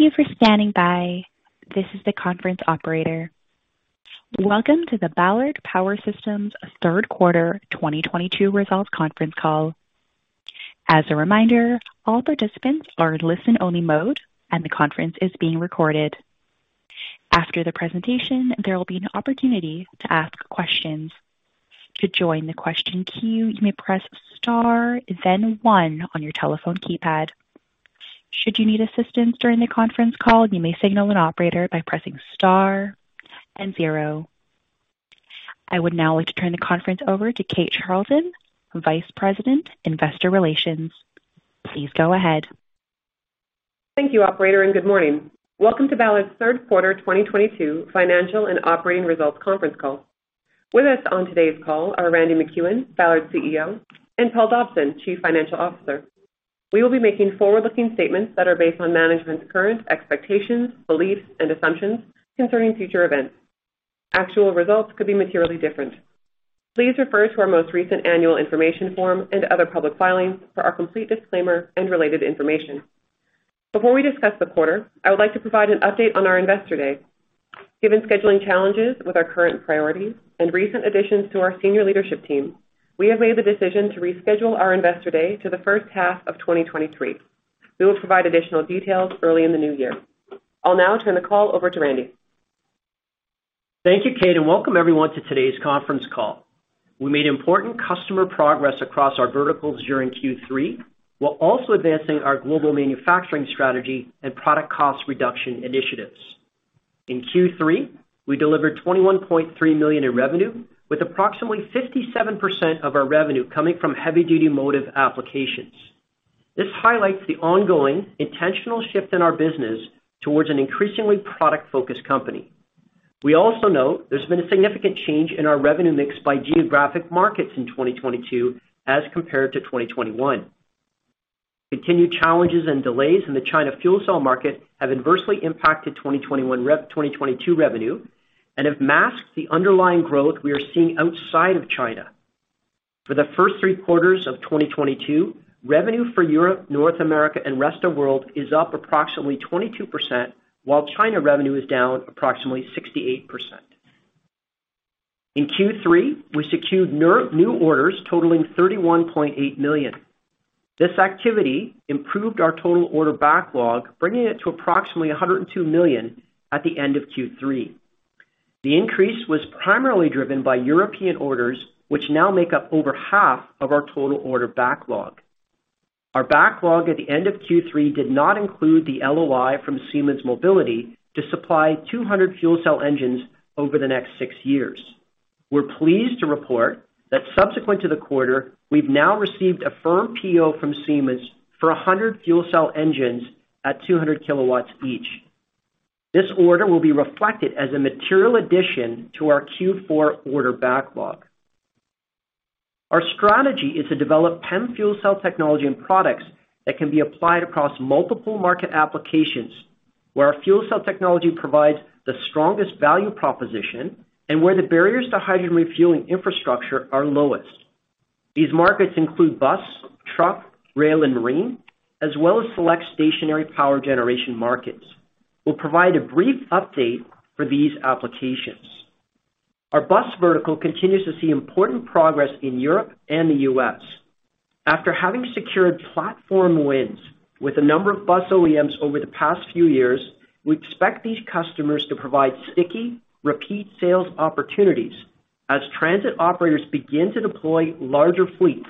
Thank you for standing by. This is the conference operator. Welcome to the Ballard Power Systems Third Quarter 2022 Results Conference Call. As a reminder, all participants are in listen-only mode, and the conference is being recorded. After the presentation, there will be an opportunity to ask questions. To join the question queue, you may press star then one on your telephone keypad. Should you need assistance during the conference call, you may signal an operator by pressing star and zero. I would now like to turn the conference over to Kate Charlton, Vice President, Investor Relations. Please go ahead. Thank you operator, and good morning. Welcome to Ballard's Third Quarter 2022 Financial and Operating Results Conference Call. With us on today's call are Randy MacEwen, Ballard's CEO, and Paul Dobson, Chief Financial Officer. We will be making forward-looking statements that are based on management's current expectations, beliefs and assumptions concerning future events. Actual results could be materially different. Please refer to our most recent annual information form and other public filings for our complete disclaimer and related information. Before we discuss the quarter, I would like to provide an update on our Investor Day. Given scheduling challenges with our current priorities and recent additions to our senior leadership team, we have made the decision to reschedule our Investor Day to the first half of 2023. We will provide additional details early in the new year. I'll now turn the call over to Randy. Thank you, Kate, and welcome everyone to today's conference call. We made important customer progress across our verticals during Q3, while also advancing our global manufacturing strategy and product cost reduction initiatives. In Q3, we delivered $21.3 million in revenue, with approximately 57% of our revenue coming from heavy-duty motive applications. This highlights the ongoing intentional shift in our business towards an increasingly product-focused company. We also note there's been a significant change in our revenue mix by geographic markets in 2022 as compared to 2021. Continued challenges and delays in the China fuel cell market have adversely impacted 2022 revenue and have masked the underlying growth we are seeing outside of China. For the first three quarters of 2022, revenue for Europe, North America and Rest of World is up approximately 22%, while China revenue is down approximately 68%. In Q3, we secured new orders totaling $31.8 million. This activity improved our total order backlog, bringing it to approximately $102 million at the end of Q3. The increase was primarily driven by European orders, which now make up over half of our total order backlog. Our backlog at the end of Q3 did not include the LOI from Siemens Mobility to supply 200 fuel cell engines over the next six years. We're pleased to report that subsequent to the quarter, we've now received a firm PO from Siemens for 100 fuel cell engines at 200 kilowatts each. This order will be reflected as a material addition to our Q4 order backlog. Our strategy is to develop PEM fuel cell technology and products that can be applied across multiple market applications, where our fuel cell technology provides the strongest value proposition and where the barriers to hydrogen refueling infrastructure are lowest. These markets include bus, truck, rail and marine, as well as select stationary power generation markets. We'll provide a brief update for these applications. Our bus vertical continues to see important progress in Europe and the U.S. After having secured platform wins with a number of bus OEMs over the past few years, we expect these customers to provide sticky repeat sales opportunities as transit operators begin to deploy larger fleets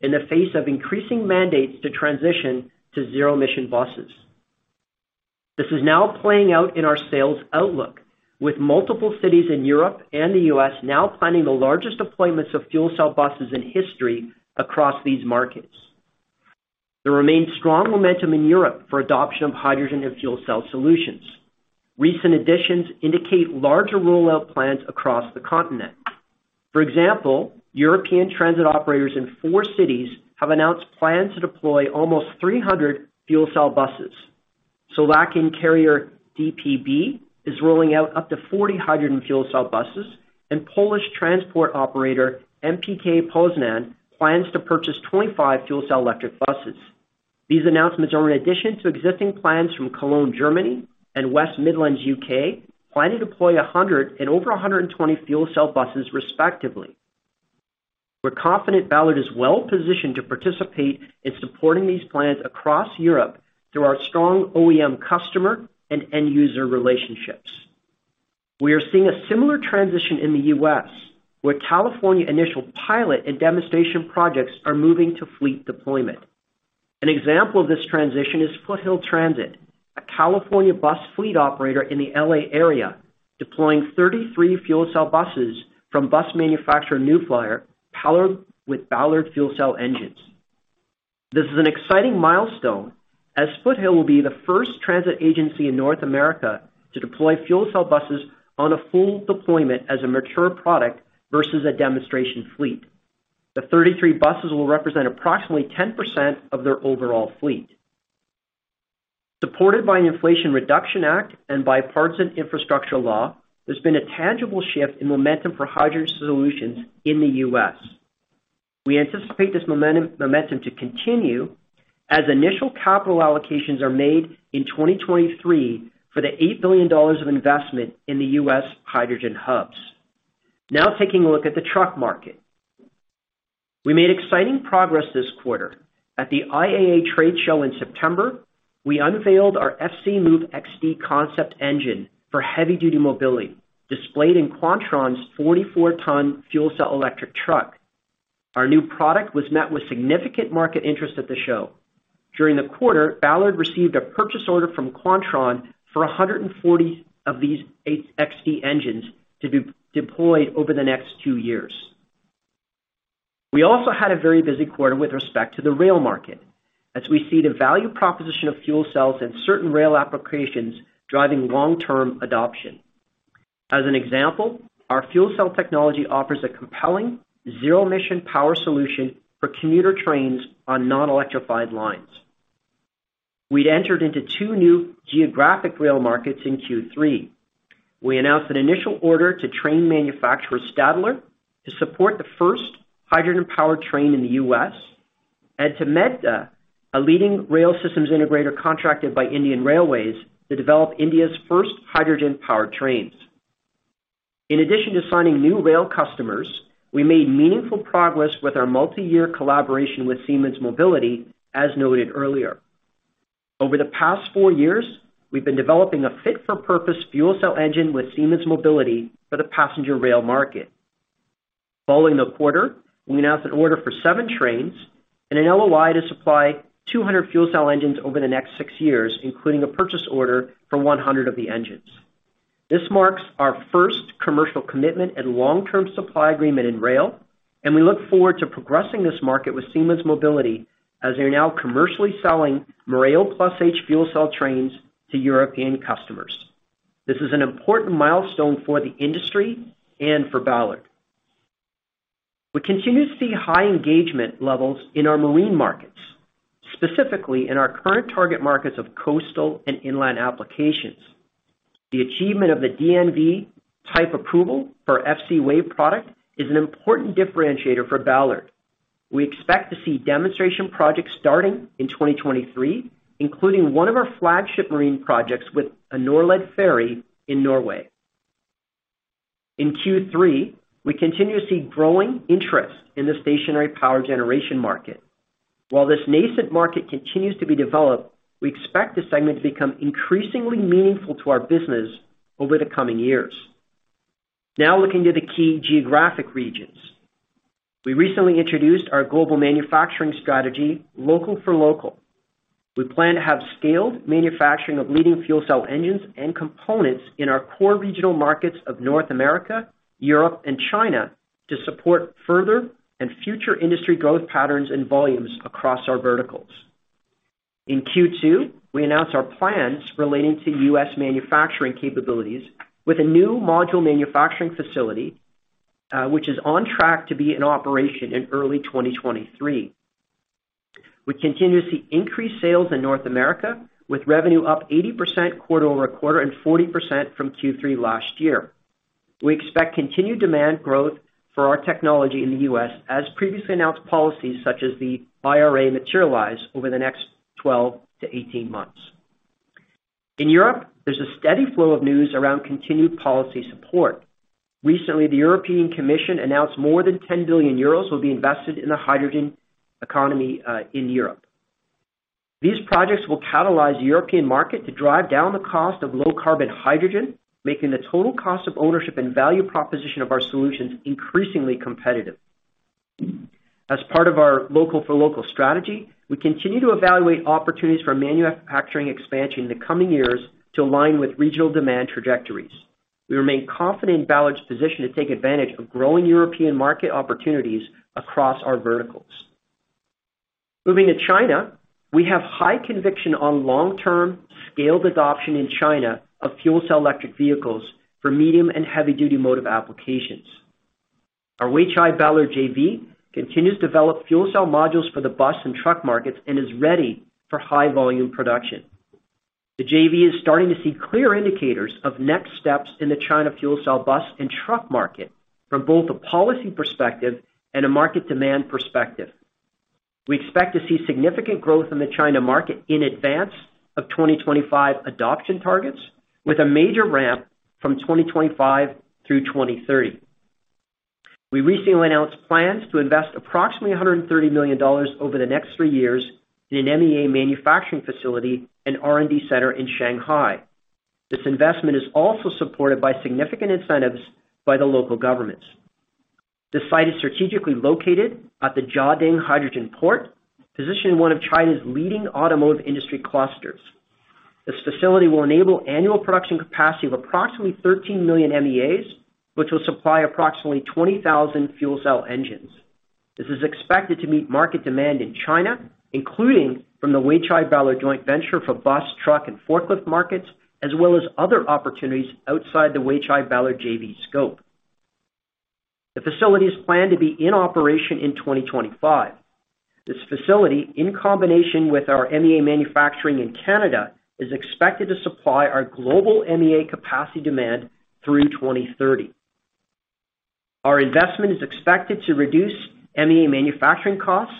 in the face of increasing mandates to transition to zero-emission buses. This is now playing out in our sales outlook, with multiple cities in Europe and the U.S. now planning the largest deployments of fuel cell buses in history across these markets. There remains strong momentum in Europe for adoption of hydrogen and fuel cell solutions. Recent additions indicate larger rollout plans across the continent. For example, European transit operators in four cities have announced plans to deploy almost 300 fuel cell buses. Slovakian carrier DPB is rolling out up to 40 hydrogen fuel cell buses, and Polish transport operator MPK Poznań plans to purchase 25 fuel cell electric buses. These announcements are in addition to existing plans from Cologne, Germany and West Midlands, U.K., planning to deploy 100 and over 120 fuel cell buses respectively. We're confident Ballard is well positioned to participate in supporting these plans across Europe through our strong OEM customer and end user relationships. We are seeing a similar transition in the U.S., where California initial pilot and demonstration projects are moving to fleet deployment. An example of this transition is Foothill Transit, a California bus fleet operator in the L.A. area, deploying 33 fuel cell buses from bus manufacturer New Flyer, powered with Ballard fuel cell engines. This is an exciting milestone as Foothill will be the first transit agency in North America to deploy fuel cell buses on a full deployment as a mature product versus a demonstration fleet. The 33 buses will represent approximately 10% of their overall fleet. Supported by Inflation Reduction Act and Bipartisan Infrastructure Law, there's been a tangible shift in momentum for hydrogen solutions in the U.S. We anticipate this momentum to continue as initial capital allocations are made in 2023 for the $8 billion of investment in the U.S. hydrogen hubs. Now taking a look at the truck market. We made exciting progress this quarter. At the IAA trade show in September, we unveiled our FCmove-XD concept engine for heavy-duty mobility, displayed in Quantron's 44-ton fuel cell electric truck. Our new product was met with significant market interest at the show. During the quarter, Ballard received a purchase order from Quantron for 140 of these FCmove-XD engines to be deployed over the next two years. We also had a very busy quarter with respect to the rail market, as we see the value proposition of fuel cells in certain rail applications driving long-term adoption. As an example, our fuel cell technology offers a compelling zero-emission power solution for commuter trains on non-electrified lines. We'd entered into two new geographic rail markets in Q3. We announced an initial order to train manufacturer Stadler to support the first hydrogen-powered train in the U.S., and to Medha, a leading rail systems integrator contracted by Indian Railways to develop India's first hydrogen-powered trains. In addition to signing new rail customers, we made meaningful progress with our multi-year collaboration with Siemens Mobility, as noted earlier. Over the past four years, we've been developing a fit-for-purpose fuel cell engine with Siemens Mobility for the passenger rail market. Following the quarter, we announced an order for seven trains and an LOI to supply 200 fuel cell engines over the next six years, including a purchase order for 100 of the engines. This marks our first commercial commitment and long-term supply agreement in rail, and we look forward to progressing this market with Siemens Mobility as they're now commercially selling Mireo Plus H fuel cell trains to European customers. This is an important milestone for the industry and for Ballard. We continue to see high engagement levels in our marine markets, specifically in our current target markets of coastal and inland applications. The achievement of the DNV type approval for our FCwave product is an important differentiator for Ballard. We expect to see demonstration projects starting in 2023, including one of our flagship marine projects with a Norled ferry in Norway. In Q3, we continue to see growing interest in the stationary power generation market. While this nascent market continues to be developed, we expect this segment to become increasingly meaningful to our business over the coming years. Now, looking to the key geographic regions. We recently introduced our global manufacturing strategy, Local for Local. We plan to have scaled manufacturing of leading fuel cell engines and components in our core regional markets of North America, Europe, and China to support further and future industry growth patterns and volumes across our verticals. In Q2, we announced our plans relating to U.S. manufacturing capabilities with a new module manufacturing facility, which is on track to be in operation in early 2023. We continue to see increased sales in North America, with revenue up 80% quarter-over-quarter and 40% from Q3 last year. We expect continued demand growth for our technology in the U.S. as previously announced policies such as the IRA materialize over the next 12 to 18 months. In Europe, there's a steady flow of news around continued policy support. Recently, the European Commission announced more than 10 billion euros will be invested in the hydrogen economy, in Europe. These projects will catalyze the European market to drive down the cost of low carbon hydrogen, making the total cost of ownership and value proposition of our solutions increasingly competitive. As part of our Local for Local strategy, we continue to evaluate opportunities for manufacturing expansion in the coming years to align with regional demand trajectories. We remain confident in Ballard's position to take advantage of growing European market opportunities across our verticals. Moving to China, we have high conviction on long-term scaled adoption in China of fuel cell electric vehicles for medium and heavy duty motive applications. Our Weichai-Ballard JV continues to develop fuel cell modules for the bus and truck markets and is ready for high volume production. The JV is starting to see clear indicators of next steps in the China fuel cell bus and truck market from both a policy perspective and a market demand perspective. We expect to see significant growth in the China market in advance of 2025 adoption targets with a major ramp from 2025 through 2030. We recently announced plans to invest approximately $130 million over the next three years in an MEA manufacturing facility and R&D center in Shanghai. This investment is also supported by significant incentives by the local governments. The site is strategically located at the Jiading Hydrogen Port, positioned in one of China's leading automotive industry clusters. This facility will enable annual production capacity of approximately 13 million MEAs, which will supply approximately 20,000 fuel cell engines. This is expected to meet market demand in China, including from the Weichai-Ballard joint venture for bus, truck, and forklift markets, as well as other opportunities outside the Weichai-Ballard JV scope. The facility is planned to be in operation in 2025. This facility, in combination with our MEA manufacturing in Canada, is expected to supply our global MEA capacity demand through 2030. Our investment is expected to reduce MEA manufacturing costs,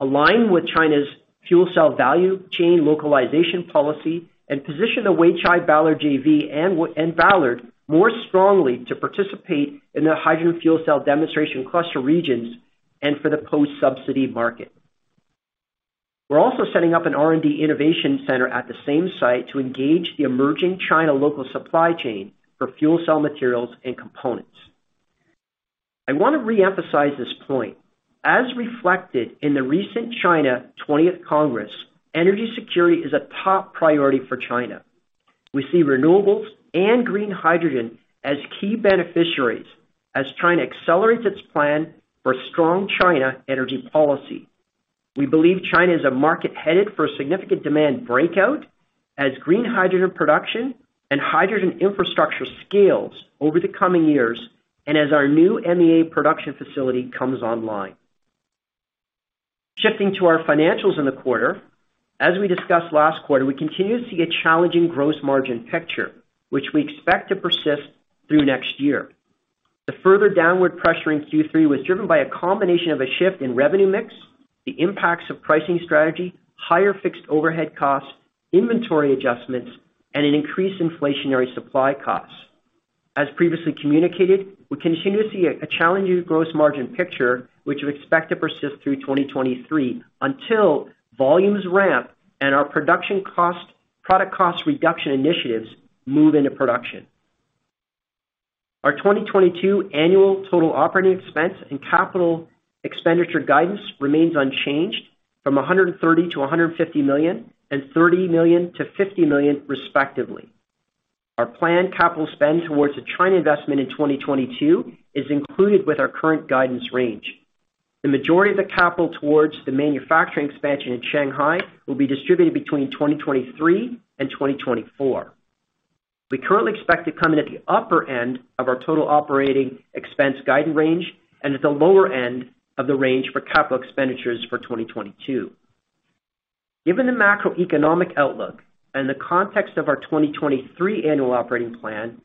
align with China's fuel cell value chain localization policy, and position the Weichai-Ballard JV and Weichai and Ballard more strongly to participate in the hydrogen fuel cell demonstration cluster regions and for the post-subsidy market. We're also setting up an R&D innovation center at the same site to engage the emerging China local supply chain for fuel cell materials and components. I wanna reemphasize this point. As reflected in the recent China 20th Congress, energy security is a top priority for China. We see renewables and green hydrogen as key beneficiaries as China accelerates its plan for China's strong energy policy. We believe China is a market headed for a significant demand breakout as green hydrogen production and hydrogen infrastructure scales over the coming years and as our new MEA production facility comes online. Shifting to our financials in the quarter. As we discussed last quarter, we continue to see a challenging gross margin picture, which we expect to persist through next year. The further downward pressure in Q3 was driven by a combination of a shift in revenue mix, the impacts of pricing strategy, higher fixed overhead costs, inventory adjustments, and an increased inflationary supply costs. As previously communicated, we continue to see a challenging gross margin picture, which we expect to persist through 2023 until volumes ramp and our production cost, product cost reduction initiatives move into production. Our 2022 annual total operating expense and capital expenditure guidance remains unchanged from $130 million-$150 million and $30 million-$50 million, respectively. Our planned capital spend towards the China investment in 2022 is included with our current guidance range. The majority of the capital towards the manufacturing expansion in Shanghai will be distributed between 2023 and 2024. We currently expect to come in at the upper end of our total operating expense guidance range and at the lower end of the range for capital expenditures for 2022. Given the macroeconomic outlook and the context of our 2023 annual operating plan,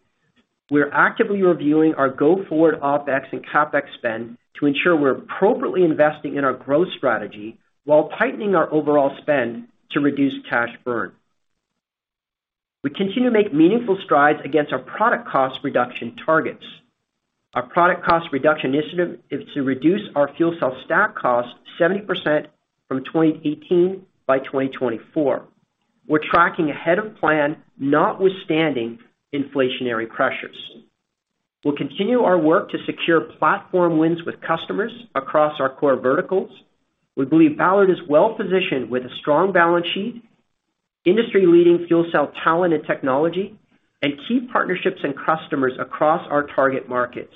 we are actively reviewing our go-forward OpEx and CapEx spend to ensure we're appropriately investing in our growth strategy while tightening our overall spend to reduce cash burn. We continue to make meaningful strides against our product cost reduction targets. Our product cost reduction initiative is to reduce our fuel cell stack cost 70% from 2018 by 2024. We're tracking ahead of plan notwithstanding inflationary pressures. We'll continue our work to secure platform wins with customers across our core verticals. We believe Ballard is well positioned with a strong balance sheet, industry-leading fuel cell talent and technology, and key partnerships and customers across our target markets.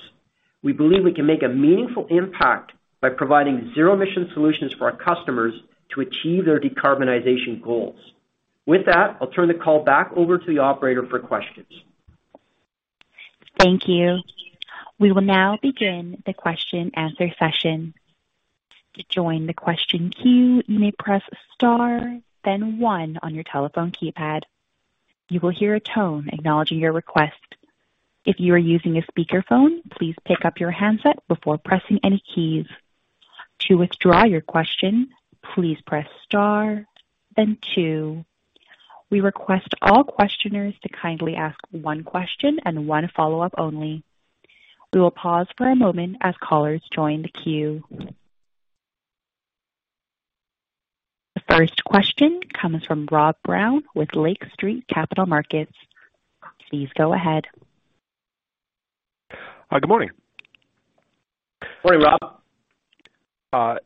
We believe we can make a meaningful impact by providing zero emission solutions for our customers to achieve their decarbonization goals. With that, I'll turn the call back over to the operator for questions. Thank you. We will now begin the question and answer session. To join the question queue, you may press star then one on your telephone keypad. You will hear a tone acknowledging your request. If you are using a speakerphone, please pick up your handset before pressing any keys. To withdraw your question, please press star then two. We request all questioners to kindly ask one question and one follow-up only. We will pause for a moment as callers join the queue. The first question comes from Rob Brown with Lake Street Capital Markets. Please go ahead. Good morning. Morning, Rob.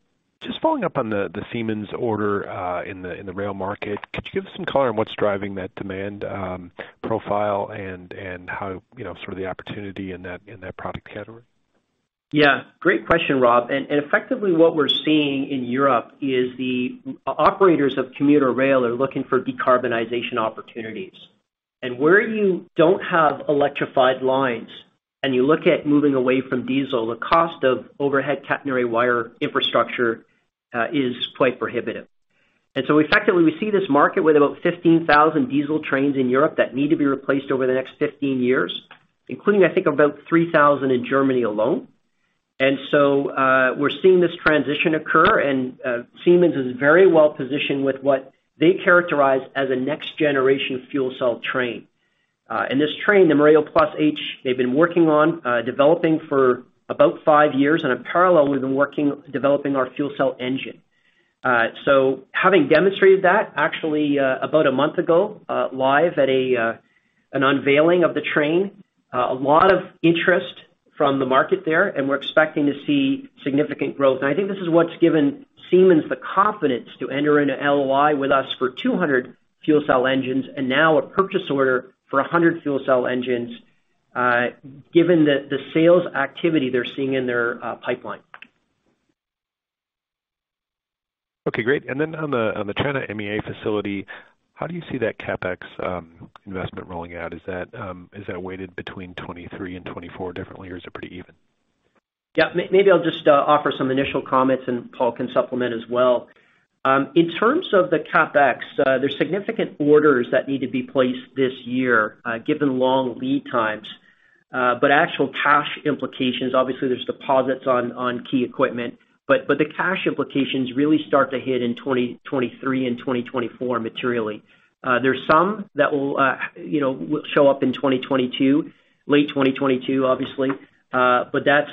Just following up on the Siemens order in the rail market. Could you give us some color on what's driving that demand profile and how, you know, sort of the opportunity in that product category? Yeah. Great question, Rob. Effectively what we're seeing in Europe is the operators of commuter rail are looking for decarbonization opportunities. Where you don't have electrified lines and you look at moving away from diesel, the cost of overhead catenary wire infrastructure is quite prohibitive. Effectively, we see this market with about 15,000 diesel trains in Europe that need to be replaced over the next 15 years, including, I think, about 3,000 in Germany alone. We're seeing this transition occur and Siemens is very well positioned with what they characterize as a next generation fuel cell train. This train, the Mireo Plus H, they've been working on developing for about five years and in parallel we've been working developing our fuel cell engine. having demonstrated that actually, about a month ago, live at an unveiling of the train, a lot of interest from the market there, and we're expecting to see significant growth. I think this is what's given Siemens the confidence to enter into an LOI with us for 200 fuel cell engines and now a purchase order for 100 fuel cell engines, given the sales activity they're seeing in their pipeline. Okay. Great. On the China MEA facility. How do you see that CapEx investment rolling out? Is that weighted between 2023 and 2024 differently or is it pretty even? Yeah. Maybe I'll just offer some initial comments and Paul can supplement as well. In terms of the CapEx, there's significant orders that need to be placed this year, given long lead times. Actual cash implications, obviously, there's deposits on key equipment, but the cash implications really start to hit in 2023 and 2024 materially. There's some that will, you know, will show up in 2022, late 2022, obviously. That's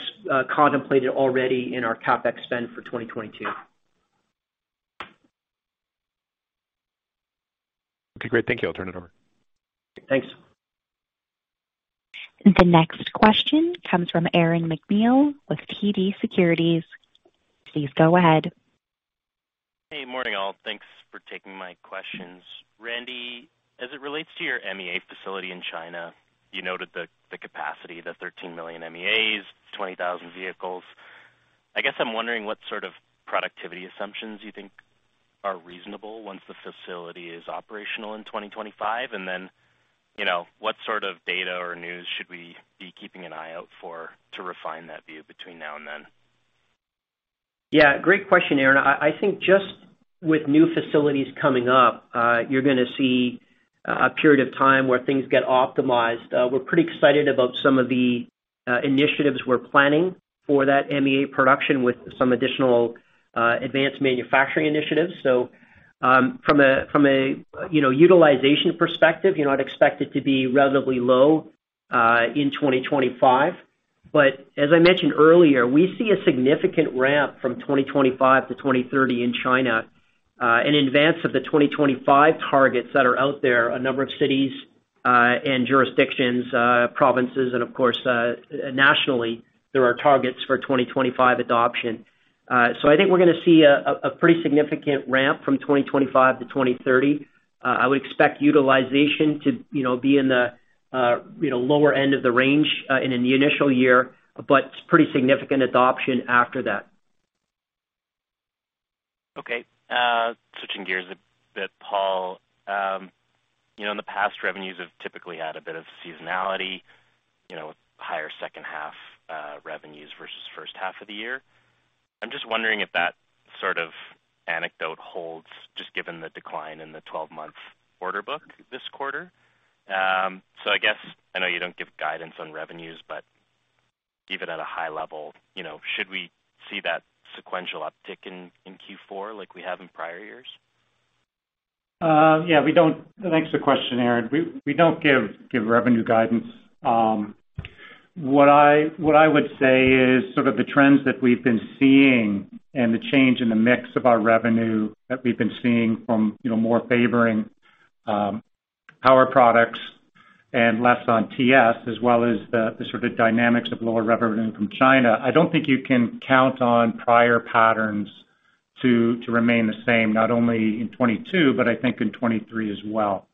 contemplated already in our CapEx spend for 2022. Okay, great. Thank you. I'll turn it over. Thanks. The next question comes from Aaron MacNeil with TD Securities. Please go ahead. Hey, morning, all. Thanks for taking my questions. Randy, as it relates to your MEA facility in China, you noted the capacity, the 13 million MEAs, 20,000 vehicles. I guess I'm wondering what sort of productivity assumptions you think are reasonable once the facility is operational in 2025. Then, you know, what sort of data or news should we be keeping an eye out for to refine that view between now and then? Yeah, great question, Aaron. I think just with new facilities coming up, you're gonna see a period of time where things get optimized. We're pretty excited about some of the initiatives we're planning for that MEA production with some additional advanced manufacturing initiatives. From a utilization perspective, you know, I'd expect it to be relatively low in 2025. As I mentioned earlier, we see a significant ramp from 2025 to 2030 in China in advance of the 2025 targets that are out there. A number of cities and jurisdictions, provinces, and of course, nationally, there are targets for 2025 adoption. I think we're gonna see a pretty significant ramp from 2025 to 2030. I would expect utilization to, you know, be in the, you know, lower end of the range, and in the initial year, but pretty significant adoption after that. Okay. Switching gears a bit, Paul. You know, in the past, revenues have typically had a bit of seasonality, you know, with higher second half revenues versus first half of the year. I'm just wondering if that sort of anecdote holds just given the decline in the 12-month order book this quarter. I guess I know you don't give guidance on revenues, but even at a high level, you know, should we see that sequential uptick in Q4 like we have in prior years? Thanks for the question, Aaron. We don't give revenue guidance. What I would say is sort of the trends that we've been seeing and the change in the mix of our revenue that we've been seeing from, you know, more favoring power products and less on TS, as well as the sort of dynamics of lower revenue from China. I don't think you can count on prior patterns to remain the same, not only in 2022, but I think in 2023 as well.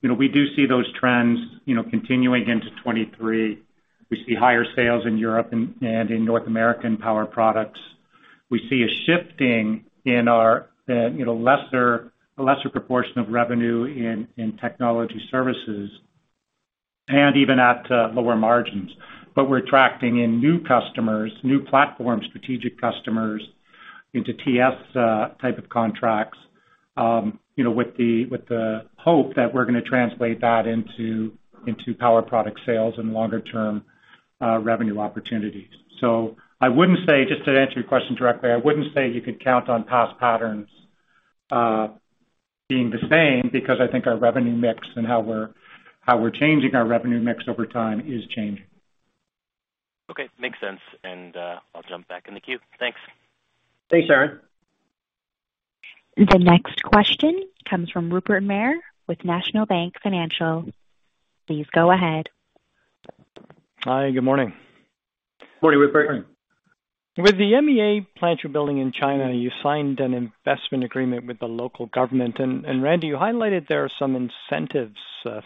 You know, we do see those trends, you know, continuing into 2023. We see higher sales in Europe and in North American power products. We see a shifting in our, you know, a lesser proportion of revenue in technology solutions and even at lower margins. We're attracting in new customers, new platform strategic customers into TS, type of contracts, you know, with the hope that we're gonna translate that into power product sales and longer term, revenue opportunities. I wouldn't say, just to answer your question directly, I wouldn't say you could count on past patterns, being the same because I think our revenue mix and how we're changing our revenue mix over time is changing. Okay. Makes sense. I'll jump back in the queue. Thanks. Thanks, Aaron. The next question comes from Rupert Merer with National Bank Financial. Please go ahead. Hi, good morning. Good morning, Rupert. With the MEA plant you're building in China, you signed an investment agreement with the local government. Randy, you highlighted there are some incentives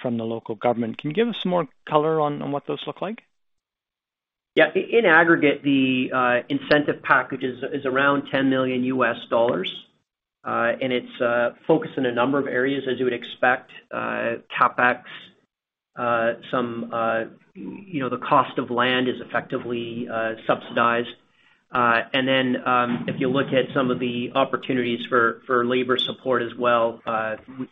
from the local government. Can you give us more color on what those look like? Yeah. In aggregate, the incentive packages is around $10 million, and it's focused in a number of areas, as you would expect, CapEx, some, you know, the cost of land is effectively subsidized. Then, if you look at some of the opportunities for labor support as well,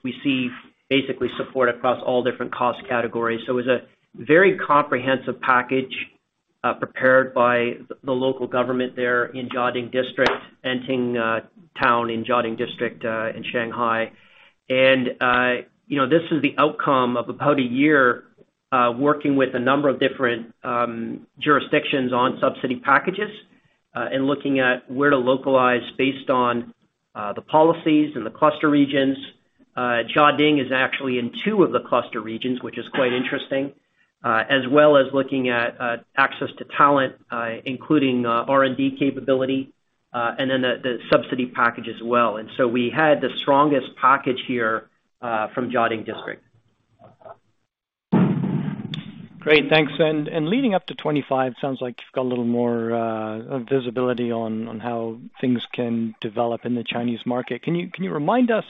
we see basically support across all different cost categories. It's a very comprehensive package, prepared by the local government there in Jiading District, Anting town in Jiading District, in Shanghai. You know, this is the outcome of about a year working with a number of different jurisdictions on subsidy packages, and looking at where to localize based on the policies and the cluster regions. Jiading is actually in two of the cluster regions, which is quite interesting, as well as looking at access to talent, including R&D capability, and then the subsidy package as well. We had the strongest package here from Jiading District. Great. Thanks. Leading up to 2025 sounds like you've got a little more visibility on how things can develop in the Chinese market. Can you remind us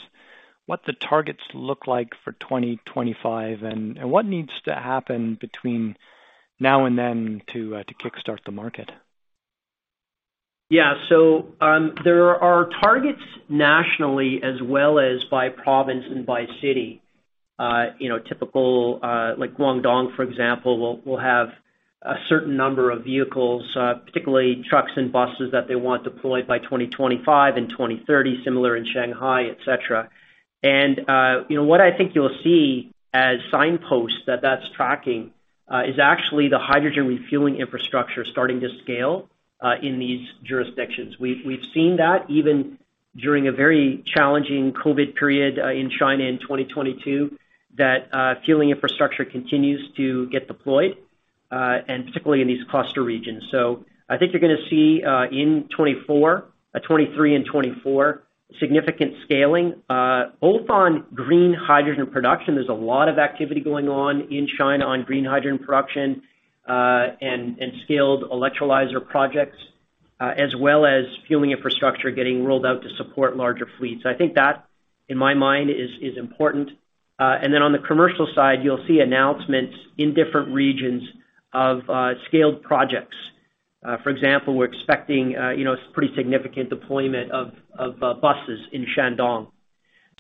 what the targets look like for 2025 and what needs to happen between now and then to kickstart the market? Yeah. There are targets nationally as well as by province and by city. You know, typical, like Guangdong, for example, will have a certain number of vehicles, particularly trucks and buses that they want deployed by 2025 and 2030, similar in Shanghai, et cetera. You know, what I think you'll see as signposts that that's tracking is actually the hydrogen refueling infrastructure starting to scale in these jurisdictions. We've seen that even during a very challenging COVID period in China in 2022, that fueling infrastructure continues to get deployed and particularly in these cluster regions. I think you're gonna see in 2024, 2023 and 2024, significant scaling both on green hydrogen production. There's a lot of activity going on in China on green hydrogen production, and scaled electrolyzer projects, as well as fueling infrastructure getting rolled out to support larger fleets. I think that, in my mind, is important. On the commercial side, you'll see announcements in different regions of scaled projects. For example, we're expecting you know pretty significant deployment of buses in Shandong.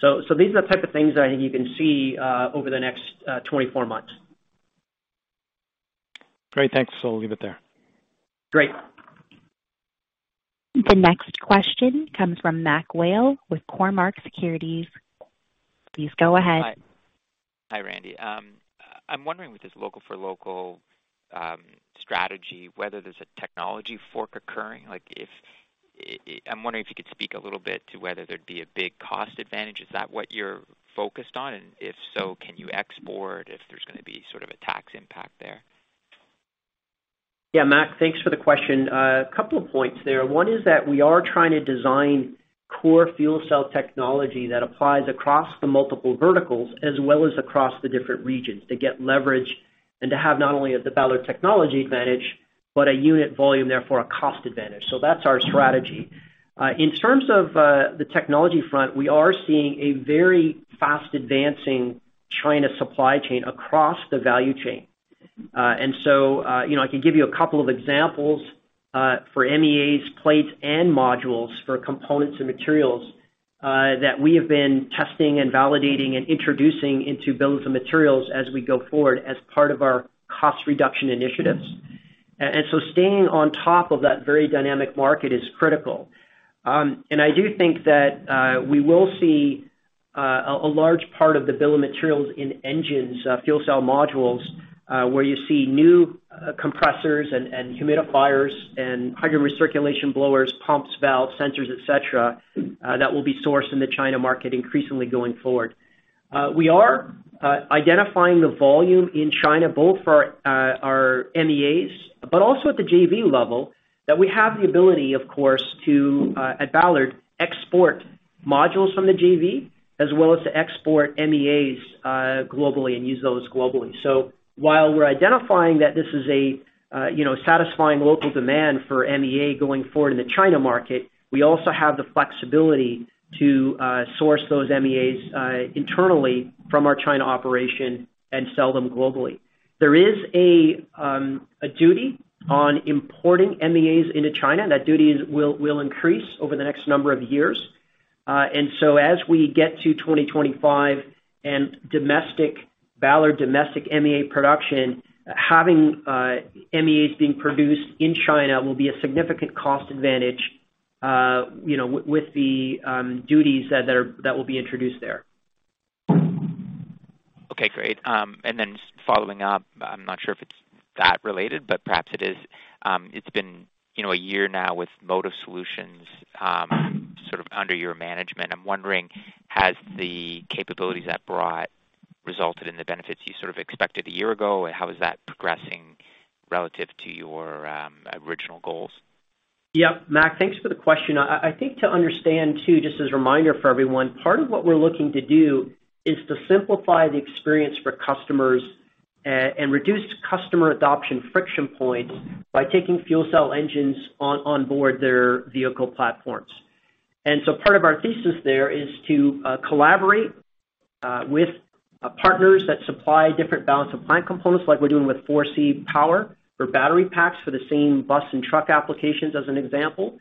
These are the type of things I think you can see over the next 24 months. Great. Thanks. We'll leave it there. Great. The next question comes from Mac Whale with Cormark Securities. Please go ahead. Hi. Hi, Randy. I'm wondering with this Local for Local strategy, whether there's a technology fork occurring, like if you could speak a little bit to whether there'd be a big cost advantage. Is that what you're focused on? If so, can you export if there's gonna be sort of a tax impact there? Yeah, Mac, thanks for the question. A couple of points there. One is that we are trying to design core fuel cell technology that applies across the multiple verticals as well as across the different regions to get leverage and to have not only a Ballard technology advantage, but a unit volume, therefore a cost advantage. That's our strategy. In terms of the technology front, we are seeing a very fast advancing China supply chain across the value chain. You know, I can give you a couple of examples for MEAs plates and modules for components and materials that we have been testing and validating and introducing into bills of materials as we go forward as part of our cost reduction initiatives. Staying on top of that very dynamic market is critical. I do think that we will see a large part of the bill of materials in engines, fuel cell modules, where you see new compressors and humidifiers and hydrogen recirculation blowers, pumps, valves, sensors, et cetera, that will be sourced in the China market increasingly going forward. We are identifying the volume in China both for our MEAs, but also at the JV level that we have the ability, of course, to at Ballard, export modules from the JV as well as to export MEAs globally and use those globally. While we're identifying that this is a you know satisfying local demand for MEA going forward in the China market, we also have the flexibility to source those MEAs internally from our China operation and sell them globally. There is a duty on importing MEAs into China. That duty will increase over the next number of years. As we get to 2025 and Ballard domestic MEA production, having MEAs being produced in China will be a significant cost advantage, you know, with the duties that will be introduced there. Okay, great. Just following up, I'm not sure if it's that related, but perhaps it is. It's been, you know, a year now with Motive Solutions, sort of under your management. I'm wondering, has the capabilities that brought resulted in the benefits you sort of expected a year ago? How is that progressing relative to your original goals? Yeah. Mac, thanks for the question. I think to understand too, just as a reminder for everyone, part of what we're looking to do is to simplify the experience for customers and reduce customer adoption friction points by taking fuel cell engines on board their vehicle platforms. Part of our thesis there is to collaborate with partners that supply different balance of plant components like we're doing with Forsee Power for battery packs for the same bus and truck applications as an example,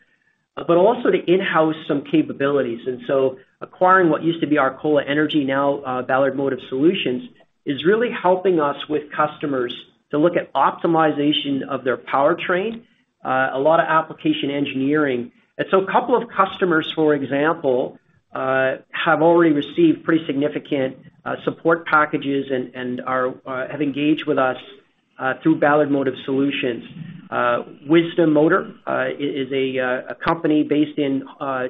but also to in-house some capabilities. Acquiring what used to be Arcola Energy now Ballard Motive Solutions is really helping us with customers to look at optimization of their powertrain, a lot of application engineering. A couple of customers, for example, have already received pretty significant support packages and have engaged with us through Ballard Motive Solutions. Wisdom Motor is a company based in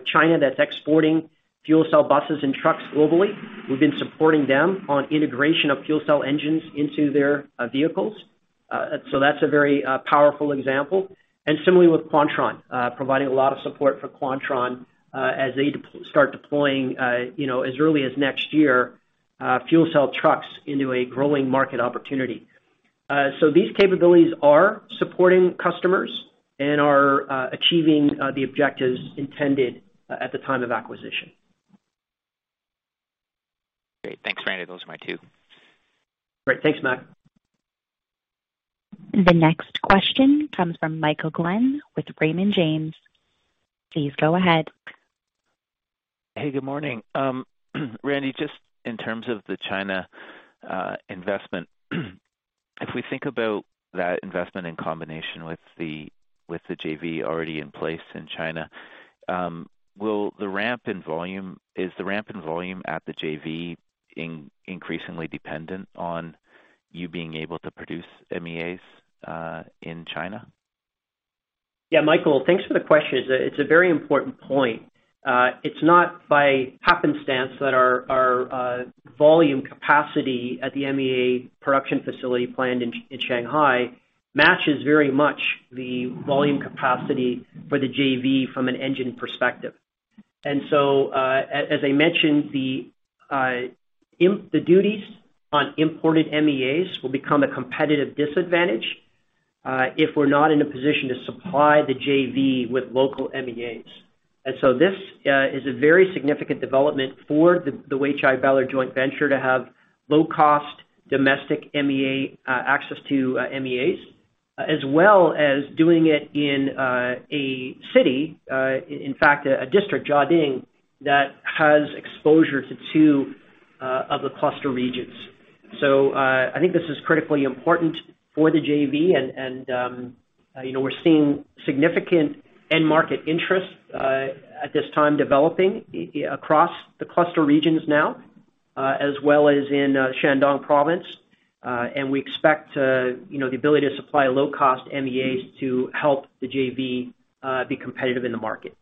China that's exporting fuel cell buses and trucks globally. We've been supporting them on integration of fuel cell engines into their vehicles. That's a very powerful example. Similarly with Quantron, providing a lot of support for Quantron as they start deploying, you know, as early as next year, fuel cell trucks into a growing market opportunity. These capabilities are supporting customers and are achieving the objectives intended at the time of acquisition. Great. Thanks, Randy. Those are my two. Great. Thanks, Mac. The next question comes from Michael Glen with Raymond James. Please go ahead. Hey, good morning. Randy, just in terms of the China investment, if we think about that investment in combination with the JV already in place in China, is the ramp in volume at the JV increasingly dependent on you being able to produce MEAs in China? Yeah, Michael, thanks for the question. It's a very important point. It's not by happenstance that our volume capacity at the MEA production facility planned in Shanghai matches very much the volume capacity for the JV from an engine perspective. As I mentioned, the import duties on imported MEAs will become a competitive disadvantage if we're not in a position to supply the JV with local MEAs. This is a very significant development for the Weichai-Ballard joint venture to have low cost domestic MEA access to MEAs, as well as doing it in a city, in fact, a district, Jiading, that has exposure to two of the cluster regions. I think this is critically important for the JV and you know, we're seeing significant end market interest at this time developing across the cluster regions now as well as in Shandong province. We expect to you know the ability to supply low cost MEAs to help the JV be competitive in the market.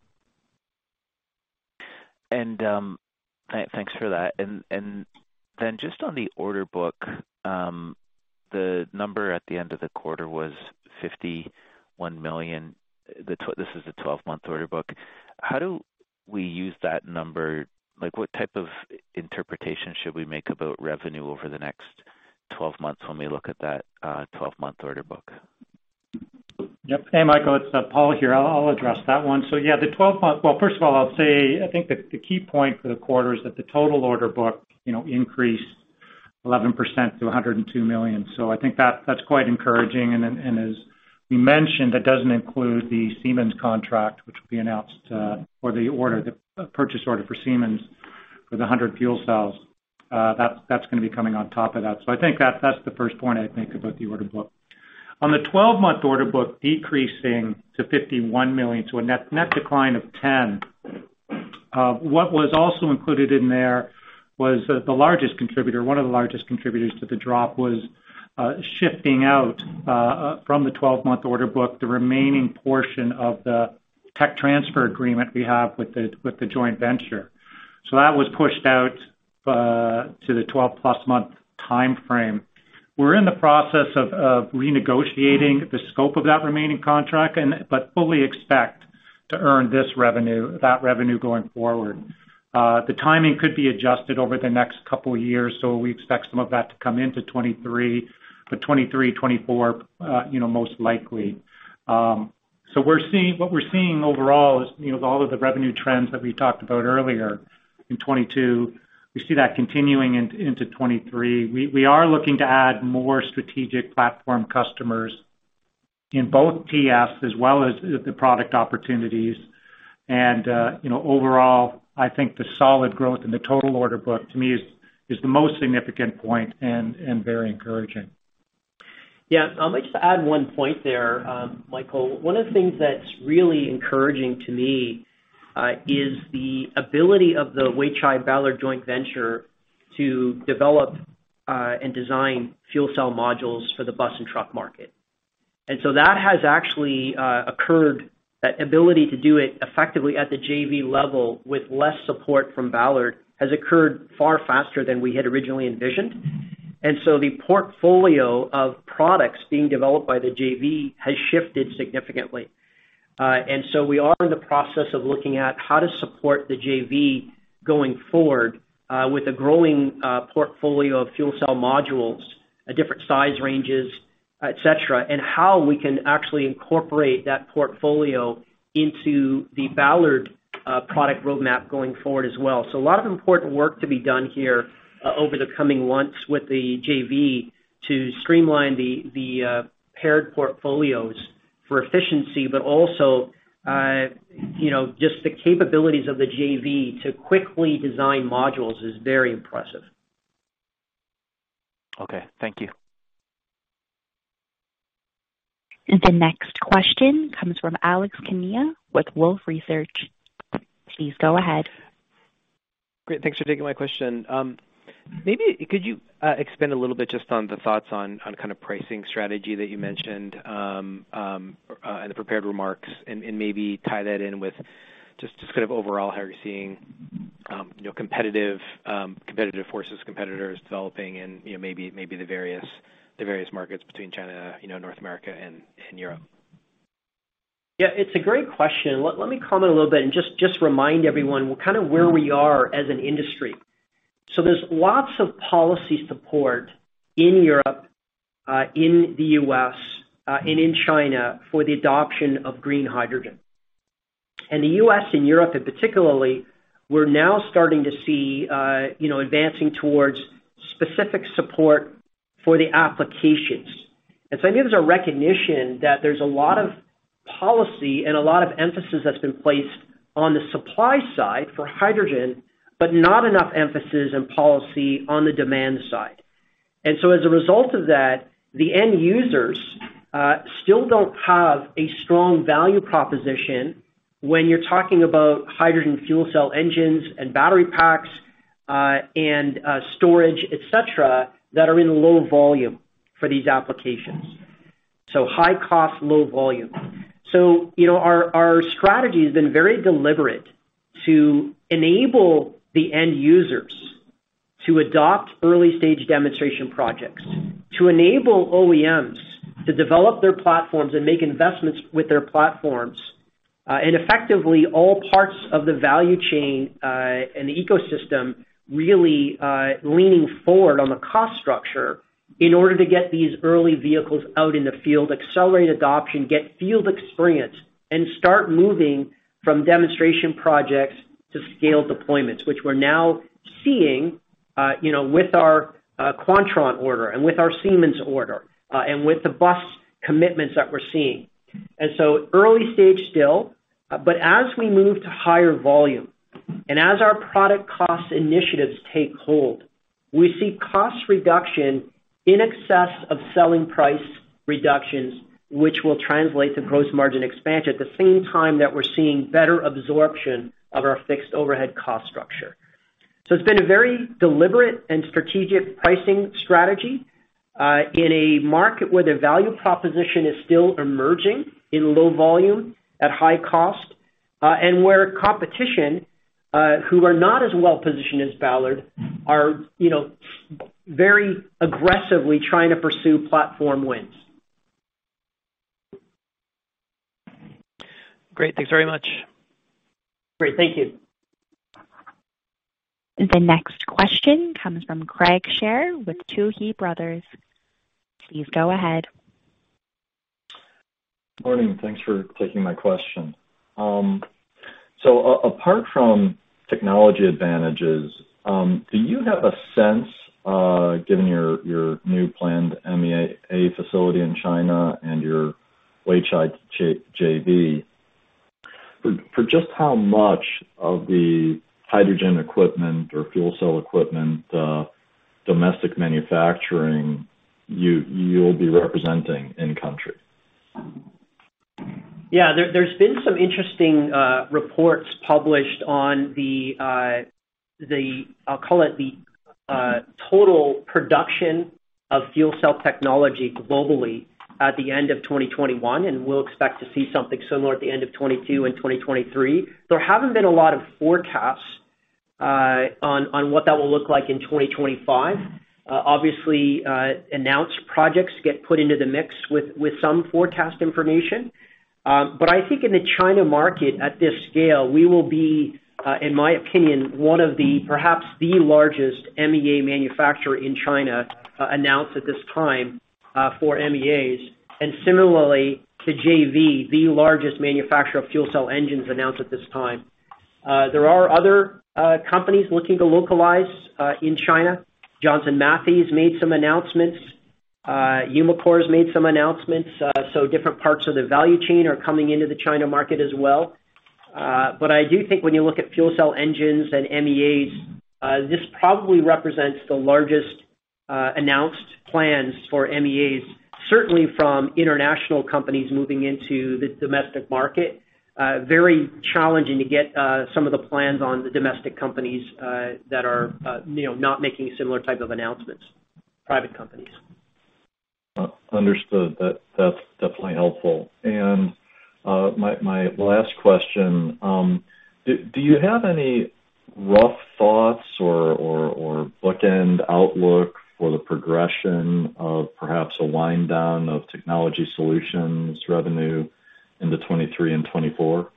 Thanks for that. Just on the order book, the number at the end of the quarter was $51 million. This is the 12-month order book. How do we use that number? Like, what type of interpretation should we make about revenue over the next 12 months when we look at that 12-month order book? Yep. Hey, Michael, it's Paul here. I'll address that one. Yeah, the twelve-month. Well, first of all, I'll say I think the key point for the quarter is that the total order book, you know, increased 11% to $102 million. I think that's quite encouraging. Then, as we mentioned, that doesn't include the Siemens contract, which will be announced, or the purchase order for Siemens with 100 fuel cells. That's the first point I'd make about the order book. On the 12-month order book decreasing to $51 million to a net-net decline of $10 million, what was also included in there was the largest contributor, one of the largest contributors to the drop was shifting out from the 12-month order book, the remaining portion of the tech transfer agreement we have with the joint venture. That was pushed out to the 12-plus month timeframe. We're in the process of renegotiating the scope of that remaining contract and but fully expect to earn this revenue going forward. The timing could be adjusted over the next couple of years, we expect some of that to come into 2023, but 2023, 2024, you know, most likely. What we're seeing overall is, you know, all of the revenue trends that we talked about earlier in 2022, we see that continuing into 2023. We are looking to add more strategic platform customers in both TFs as well as the product opportunities. You know, overall, I think the solid growth in the total order book to me is the most significant point and very encouraging. Yeah. Let me just add one point there, Michael. One of the things that's really encouraging to me is the ability of the Weichai-Ballard joint venture to develop and design fuel cell modules for the bus and truck market. That has actually occurred. That ability to do it effectively at the JV level with less support from Ballard has occurred far faster than we had originally envisioned. The portfolio of products being developed by the JV has shifted significantly. We are in the process of looking at how to support the JV going forward with a growing portfolio of fuel cell modules at different size ranges, et cetera, and how we can actually incorporate that portfolio into the Ballard product roadmap going forward as well. A lot of important work to be done here over the coming months with the JV to streamline the paired portfolios for efficiency, but also, you know, just the capabilities of the JV to quickly design modules is very impressive. Okay. Thank you. The next question comes from Alex Kania with Wolfe Research. Please go ahead. Great. Thanks for taking my question. Maybe could you expand a little bit just on the thoughts on kind of pricing strategy that you mentioned in the prepared remarks and maybe tie that in with just kind of overall how you're seeing you know competitive forces, competitors developing and you know maybe the various markets between China, you know, North America and Europe? Yeah, it's a great question. Let me comment a little bit and just remind everyone kind of where we are as an industry. There's lots of policy support in Europe, in the U.S., and in China for the adoption of green hydrogen. The U.S. and Europe, in particular, we're now starting to see, you know, advancing towards specific support for the applications. I think there's a recognition that there's a lot of policy and a lot of emphasis that's been placed on the supply side for hydrogen, but not enough emphasis and policy on the demand side. As a result of that, the end users still don't have a strong value proposition when you're talking about hydrogen fuel cell engines and battery packs, and storage, et cetera, that are in low volume for these applications. High cost, low volume. You know, our strategy has been very deliberate to enable the end users to adopt early stage demonstration projects, to enable OEMs to develop their platforms and make investments with their platforms, and effectively all parts of the value chain, and the ecosystem really, leaning forward on the cost structure in order to get these early vehicles out in the field, accelerate adoption, get field experience, and start moving from demonstration projects to scaled deployments, which we're now seeing, you know, with our Quantron order and with our Siemens order, and with the bus commitments that we're seeing. Early stage still, but as we move to higher volume and as our product cost initiatives take hold, we see cost reduction in excess of selling price reductions, which will translate to gross margin expansion at the same time that we're seeing better absorption of our fixed overhead cost structure. It's been a very deliberate and strategic pricing strategy in a market where the value proposition is still emerging in low volume at high cost, and where competition who are not as well positioned as Ballard are, you know, very aggressively trying to pursue platform wins. Great. Thanks very much. Great. Thank you. The next question comes from Craig Shere with Tuohy Brothers. Please go ahead. Morning, thanks for taking my question. Apart from technology advantages, do you have a sense, given your new planned MEA facility in China and your Weichai-Ballard JV, for just how much of the hydrogen equipment or fuel cell equipment domestic manufacturing you'll be representing in country? Yeah. There's been some interesting reports published on the total production of fuel cell technology globally at the end of 2021, and we'll expect to see something similar at the end of 2022 and 2023. There haven't been a lot of forecasts on what that will look like in 2025. Obviously, announced projects get put into the mix with some forecast information. I think in the China market at this scale, we will be, in my opinion, one of the, perhaps the largest MEA manufacturer in China announced at this time for MEAs, and similarly, the JV, the largest manufacturer of fuel cell engines announced at this time. There are other companies looking to localize in China. Johnson Matthey has made some announcements. Umicore's made some announcements. Different parts of the value chain are coming into the China market as well. I do think when you look at fuel cell engines and MEAs, this probably represents the largest announced plans for MEAs, certainly from international companies moving into the domestic market. Very challenging to get some of the plans on the domestic companies that are, you know, not making similar type of announcements, private companies. Understood. That's definitely helpful. My last question, do you have any rough thoughts or backend outlook for the progression of perhaps a wind down of Technology Solutions revenue into 2023 and 2024?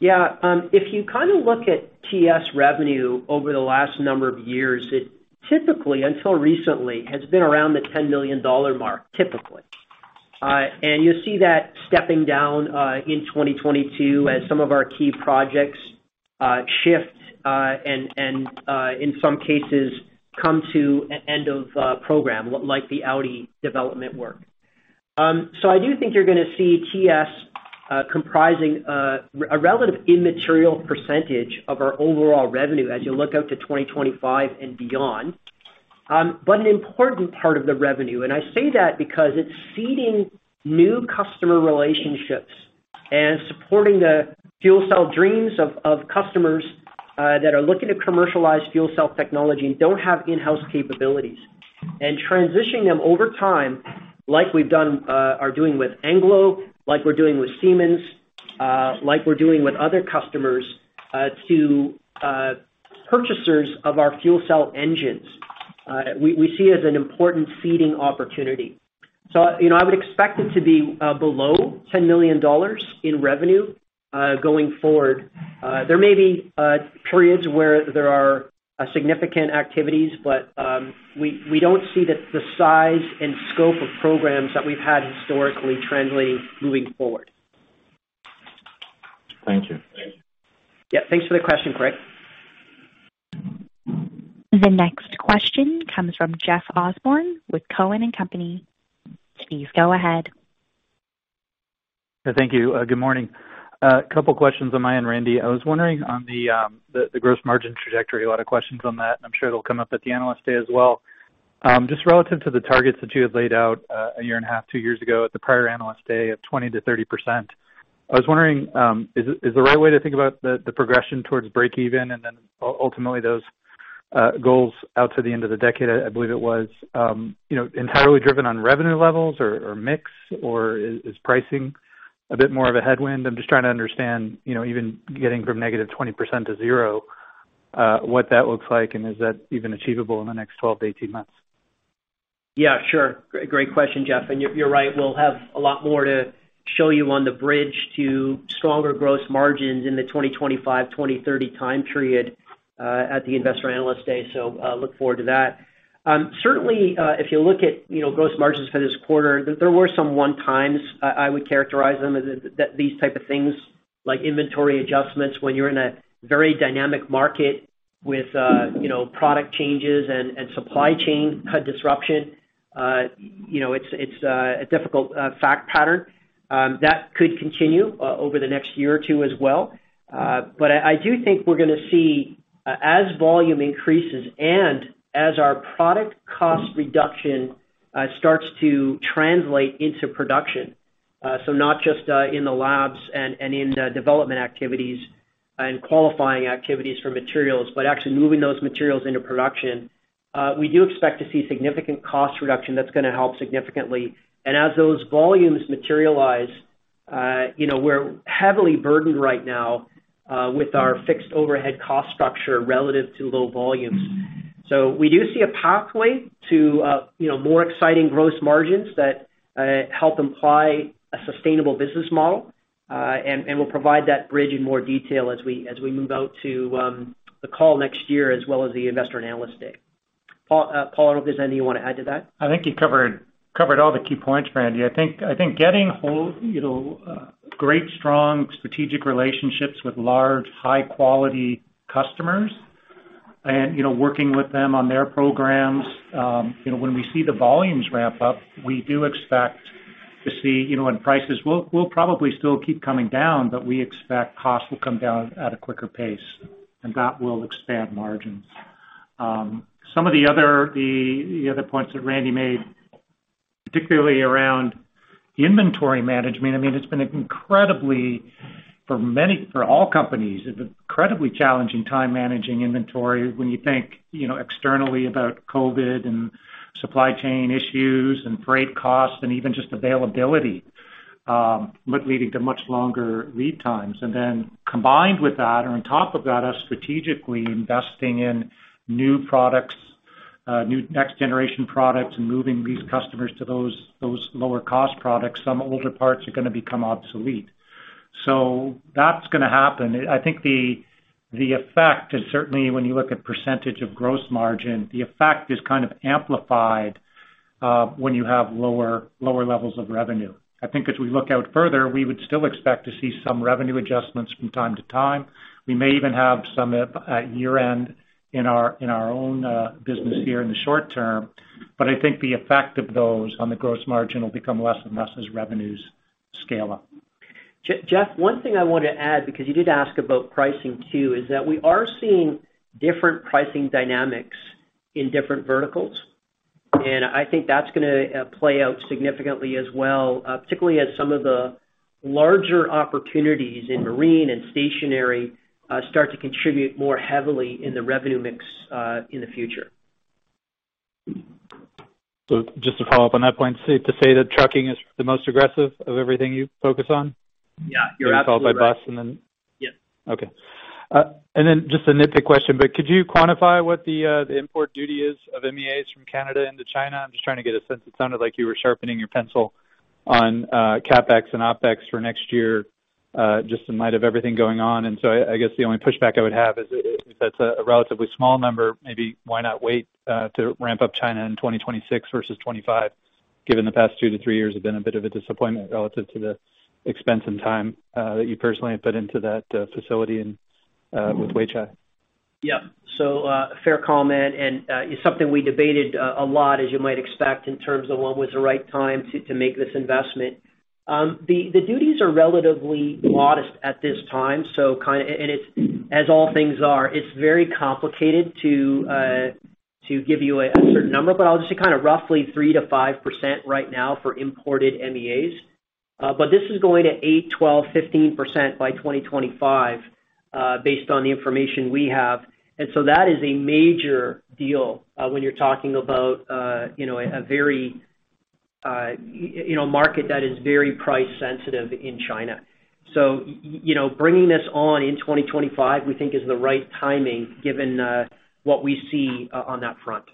Yeah. If you kind of look at TS revenue over the last number of years, it typically, until recently, has been around the $10 million mark, typically. You'll see that stepping down in 2022 as some of our key projects shift, and in some cases, come to end of program, like the Audi development work. I do think you're gonna see TS comprising a relative immaterial percentage of our overall revenue as you look out to 2025 and beyond. An important part of the revenue, and I say that because it's seeding new customer relationships and supporting the fuel cell dreams of customers that are looking to commercialize fuel cell technology and don't have in-house capabilities. Transitioning them over time, like we've done, are doing with Anglo, like we're doing with Siemens, like we're doing with other customers, to purchasers of our fuel cell engines. We see as an important seeding opportunity. You know, I would expect it to be below $10 million in revenue going forward. There may be periods where there are significant activities, but we don't see the size and scope of programs that we've had historically translating moving forward. Thank you. Yeah. Thanks for the question, Craig. The next question comes from Jeff Osborne with Cowen and Company. Please go ahead. Thank you. Good morning. Couple of questions on my end, Randy. I was wondering on the gross margin trajectory, a lot of questions on that, and I'm sure it'll come up at the Analyst Day as well. Just relative to the targets that you had laid out, 1.5 years, two years ago at the prior Analyst Day of 20%-30%. I was wondering, is the right way to think about the progression towards breakeven and then ultimately those goals out to the end of the decade, I believe it was, you know, entirely driven on revenue levels or mix, or is pricing a bit more of a headwind? I'm just trying to understand, you know, even getting from -20% to zero, what that looks like, and is that even achievable in the next 12-18 months? Yeah, sure. Great question, Jeff. You're right, we'll have a lot more to show you on the bridge to stronger gross margins in the 2025-2030 time period at the Investor Analyst Day. Look forward to that. Certainly, if you look at, you know, gross margins for this quarter, there were some one times, I would characterize them as that these type of things like inventory adjustments when you're in a very dynamic market with, you know, product changes and supply chain kind of disruption, you know, it's a difficult fact pattern that could continue over the next year or two as well. I do think we're gonna see, as volume increases and as our product cost reduction starts to translate into production, so not just in the labs and in the development activities and qualifying activities for materials, but actually moving those materials into production, we do expect to see significant cost reduction that's gonna help significantly. As those volumes materialize, you know, we're heavily burdened right now with our fixed overhead cost structure relative to low volumes. We do see a pathway to, you know, more exciting gross margins that help imply a sustainable business model, and we'll provide that bridge in more detail as we move out to the call next year as well as the Investor Analyst Day. Paul or Vincent, you wanna add to that? I think you covered all the key points, Randy. I think getting, well, you know, great strong strategic relationships with large, high-quality customers and, you know, working with them on their programs, you know, when we see the volumes ramp up, we do expect to see, you know, and prices will probably still keep coming down, but we expect costs will come down at a quicker pace, and that will expand margins. Some of the other points that Randy made, particularly around inventory management, I mean, it's been incredibly challenging for all companies. It's incredibly challenging time managing inventory when you think, you know, externally about COVID and supply chain issues and freight costs and even just availability, but leading to much longer lead times. Combined with that or on top of that, us strategically investing in new products, new next generation products, and moving these customers to those lower cost products, some older parts are gonna become obsolete. That's gonna happen. I think the effect, and certainly when you look at percentage of gross margin, the effect is kind of amplified when you have lower levels of revenue. I think as we look out further, we would still expect to see some revenue adjustments from time to time. We may even have some at year-end in our own business here in the short term, but I think the effect of those on the gross margin will become less and less as revenues scale up. Jeff, one thing I wanna add, because you did ask about pricing too, is that we are seeing different pricing dynamics in different verticals, and I think that's gonna play out significantly as well, particularly as some of the larger opportunities in marine and stationary start to contribute more heavily in the revenue mix in the future. Just to follow up on that point. Safe to say that trucking is the most aggressive of everything you focus on? Yeah. You're absolutely right. Followed by bus and then. Yeah. Okay. Just a nitpick question, but could you quantify what the import duty is of MEAs from Canada into China? I'm just trying to get a sense. It sounded like you were sharpening your pencil on CapEx and OpEx for next year, just in light of everything going on. I guess the only pushback I would have is if that's a relatively small number, maybe why not wait to ramp up China in 2026 versus 2025, given the past two-three years have been a bit of a disappointment relative to the expense and time that you personally have put into that facility and with Weichai. Yeah. Fair comment, and it's something we debated a lot as you might expect in terms of when was the right time to make this investment. The duties are relatively modest at this time. It's, as all things are, very complicated to give you a certain number, but I'll just say roughly 3%-5% right now for imported MEAs. This is going to 8, 12, 15% by 2025, based on the information we have. That is a major deal when you're talking about, you know, a very, you know, market that is very price sensitive in China. You know, bringing this on in 2025, we think is the right timing given what we see on that front.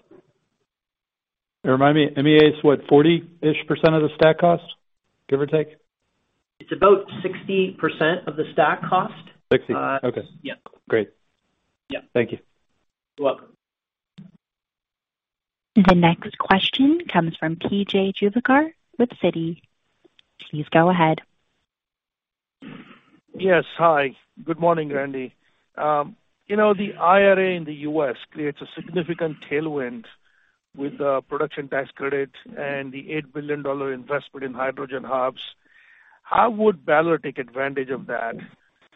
Remind me, MEA is what? 40-ish% of the stack cost, give or take? It's about 60% of the stack cost. 60. Okay. Yeah. Great. Yeah. Thank you. You're welcome. The next question comes from P.J. Juvekar with Citi. Please go ahead. Yes. Hi. Good morning, Randy. You know, the IRA in the U.S. creates a significant tailwind with the production tax credit and the $8 billion investment in hydrogen hubs. How would Ballard take advantage of that?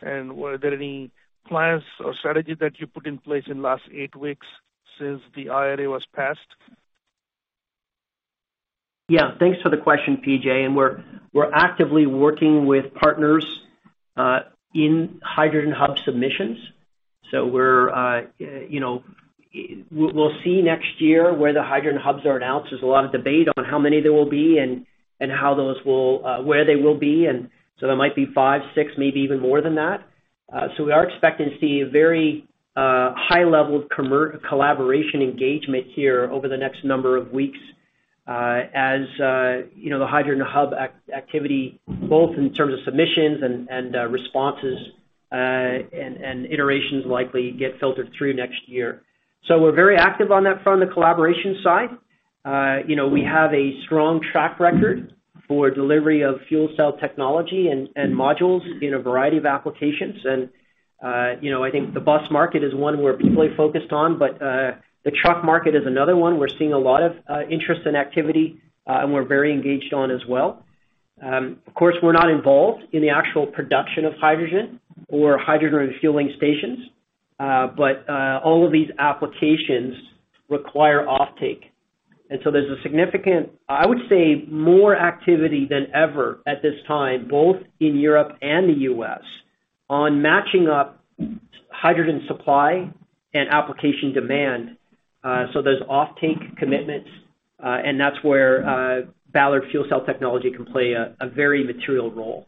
Were there any plans or strategy that you put in place in last 8 weeks since the IRA was passed? Yeah, thanks for the question, P.J., and we're actively working with partners in hydrogen hub submissions. We're, you know, we'll see next year where the hydrogen hubs are announced. There's a lot of debate on how many there will be and how those will where they will be. There might be five, six, maybe even more than that. We are expecting to see a very high level of collaboration engagement here over the next number of weeks, as you know, the hydrogen hub activity, both in terms of submissions and responses and iterations likely get filtered through next year. We're very active on that front, the collaboration side. You know, we have a strong track record for delivery of fuel cell technology and modules in a variety of applications. You know, I think the bus market is one we're heavily focused on, but the truck market is another one we're seeing a lot of interest and activity, and we're very engaged on as well. Of course, we're not involved in the actual production of hydrogen or hydrogen refueling stations, but all of these applications require offtake. There's a significant, I would say, more activity than ever at this time, both in Europe and the U.S., on matching up hydrogen supply and application demand. There's offtake commitments, and that's where Ballard fuel cell technology can play a very material role.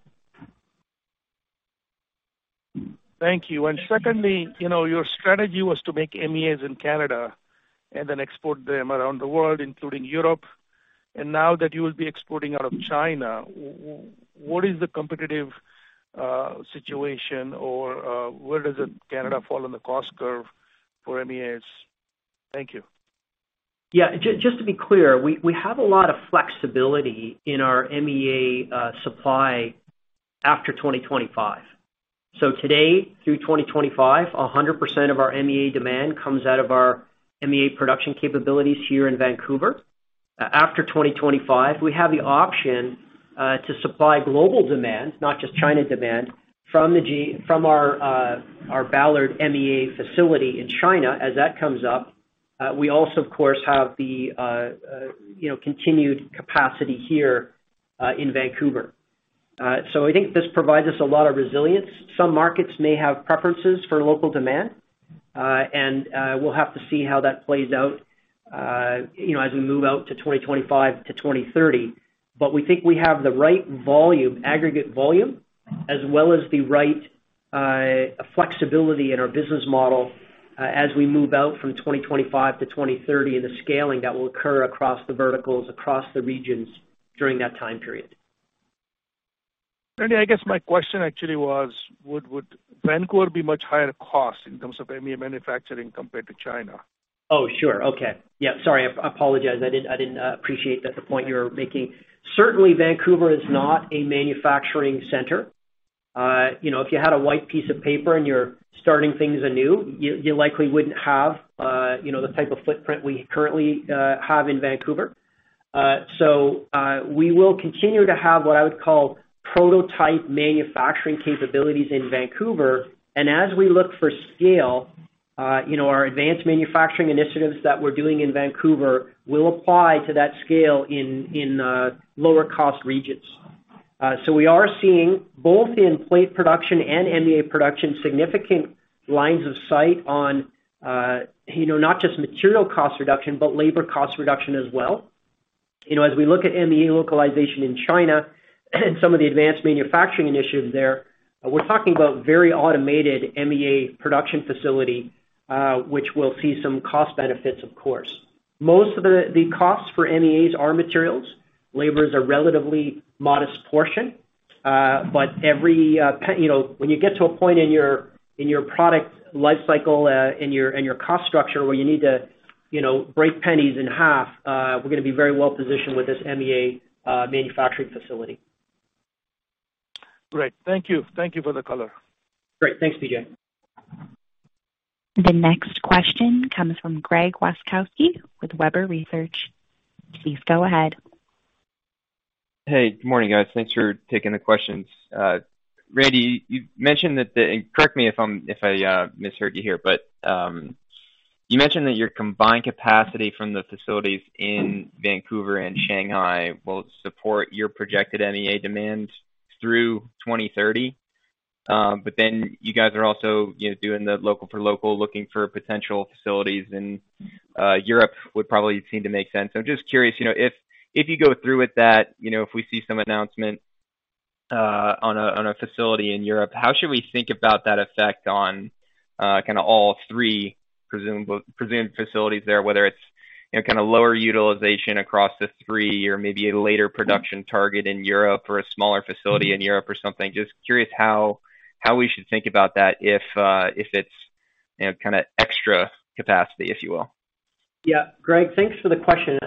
Thank you. Secondly, you know, your strategy was to make MEAs in Canada and then export them around the world, including Europe. Now that you will be exporting out of China, what is the competitive situation? Or, where does Canada fall on the cost curve for MEAs? Thank you. Yeah. Just to be clear, we have a lot of flexibility in our MEA supply after 2025. Today through 2025, 100% of our MEA demand comes out of our MEA production capabilities here in Vancouver. After 2025, we have the option to supply global demand, not just China demand, from our Ballard MEA facility in China as that comes up. We also, of course, have the continued capacity here in Vancouver. I think this provides us a lot of resilience. Some markets may have preferences for local demand, and we'll have to see how that plays out, you know, as we move out to 2025 to 2030. We think we have the right volume, aggregate volume, as well as the right flexibility in our business model, as we move out from 2025 to 2030, and the scaling that will occur across the verticals, across the regions during that time period. Randy, I guess my question actually was, would Vancouver be much higher cost in terms of MEA manufacturing compared to China? Oh, sure. Okay. Yeah, sorry. I apologize. I didn't appreciate that that's the point you were making. Certainly, Vancouver is not a manufacturing center. You know, if you had a white piece of paper and you're starting things anew, you likely wouldn't have, you know, the type of footprint we currently have in Vancouver. We will continue to have what I would call prototype manufacturing capabilities in Vancouver. As we look for scale, you know, our advanced manufacturing initiatives that we're doing in Vancouver will apply to that scale in lower cost regions. We are seeing both in plate production and MEA production, significant lines of sight on, you know, not just material cost reduction, but labor cost reduction as well. You know, as we look at MEA localization in China and some of the advanced manufacturing initiatives there, we're talking about very automated MEA production facility, which will see some cost benefits, of course. Most of the costs for MEAs are materials. Labor is a relatively modest portion. You know, when you get to a point in your product lifecycle, in your cost structure where you need to, you know, break pennies in half, we're gonna be very well positioned with this MEA manufacturing facility. Great. Thank you. Thank you for the color. Great. Thanks, P.J. The next question comes from Greg Wasikowski with Wedbush Securities. Please go ahead. Hey, good morning, guys. Thanks for taking the questions. Randy, you've mentioned that, and correct me if I misheard you here, but you mentioned that your combined capacity from the facilities in Vancouver and Shanghai will support your projected MEA demand through 2030? you guys are also, you know, doing the Local for Local, looking for potential facilities in Europe would probably seem to make sense. I'm just curious, you know, if you go through with that, you know, if we see some announcement on a facility in Europe, how should we think about that effect on kind of all three presumed facilities there, whether it's, you know, kind of lower utilization across the three or maybe a later production target in Europe or a smaller facility in Europe or something. Just curious how we should think about that if it's, you know, kind of extra capacity, if you will. Yeah. Greg, thanks for the question.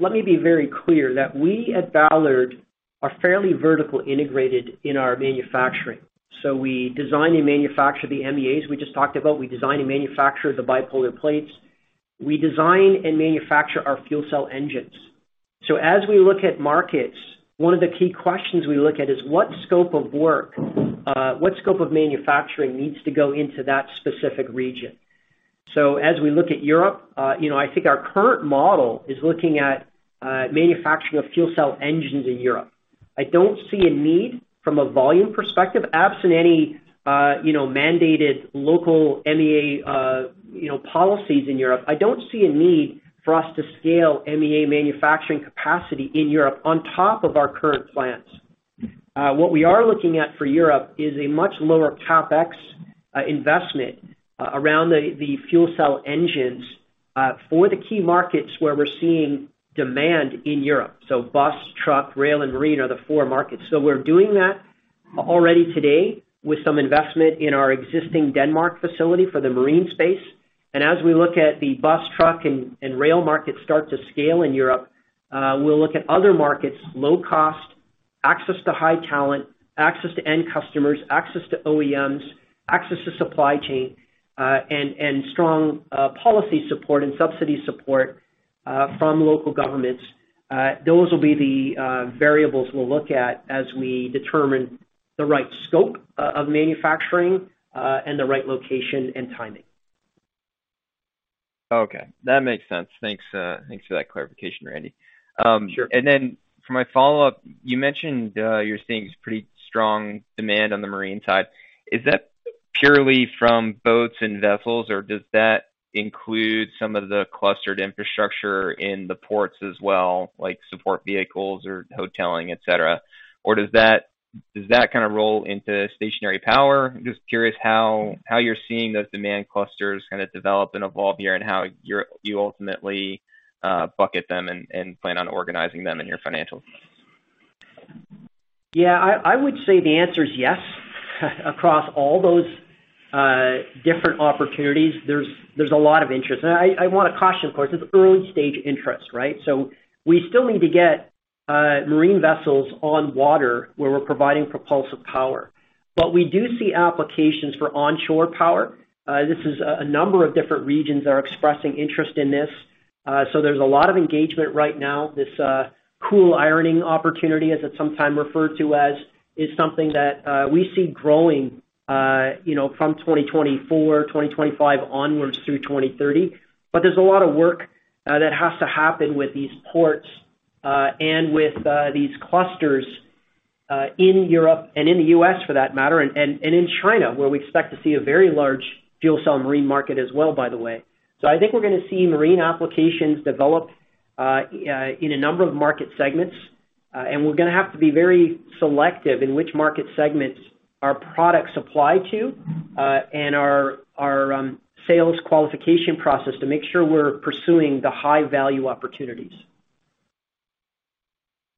Let me be very clear that we at Ballard are fairly vertically integrated in our manufacturing. We design and manufacture the MEAs we just talked about. We design and manufacture the bipolar plates. We design and manufacture our fuel cell engines. As we look at markets, one of the key questions we look at is what scope of work, what scope of manufacturing needs to go into that specific region. As we look at Europe, you know, I think our current model is looking at manufacturing of fuel cell engines in Europe. I don't see a need from a volume perspective, absent any, you know, mandated local MEA, you know, policies in Europe. I don't see a need for us to scale MEA manufacturing capacity in Europe on top of our current plans. What we are looking at for Europe is a much lower CapEx investment around the fuel cell engines for the key markets where we're seeing demand in Europe. Bus, truck, rail, and marine are the four markets. We're doing that already today with some investment in our existing Denmark facility for the marine space. As we look at the bus, truck, and rail market start to scale in Europe, we'll look at other markets, low cost, access to high talent, access to end customers, access to OEMs, access to supply chain, and strong policy support and subsidy support from local governments. Those will be the variables we'll look at as we determine the right scope of manufacturing and the right location and timing. Okay. That makes sense. Thanks for that clarification, Randy. Sure. For my follow-up, you mentioned you're seeing pretty strong demand on the marine side. Is that purely from boats and vessels, or does that include some of the clustered infrastructure in the ports as well, like support vehicles or hoteling, et cetera? Or does that kind of roll into stationary power? Just curious how you're seeing those demand clusters kind of develop and evolve here and how you ultimately bucket them and plan on organizing them in your financials. Yeah. I would say the answer is yes. Across all those different opportunities, there's a lot of interest. I wanna caution, of course, it's early-stage interest, right? We still need to get marine vessels on water where we're providing propulsive power. We do see applications for onshore power. This is a number of different regions that are expressing interest in this. There's a lot of engagement right now. This cold ironing opportunity, as it's sometimes referred to as, is something that we see growing, you know, from 2024, 2025 onwards through 2030. There's a lot of work that has to happen with these ports and with these clusters in Europe and in the U.S., for that matter, and in China, where we expect to see a very large fuel cell marine market as well, by the way. I think we're gonna see marine applications develop in a number of market segments, and we're gonna have to be very selective in which market segments our products supply to, and our sales qualification process to make sure we're pursuing the high-value opportunities.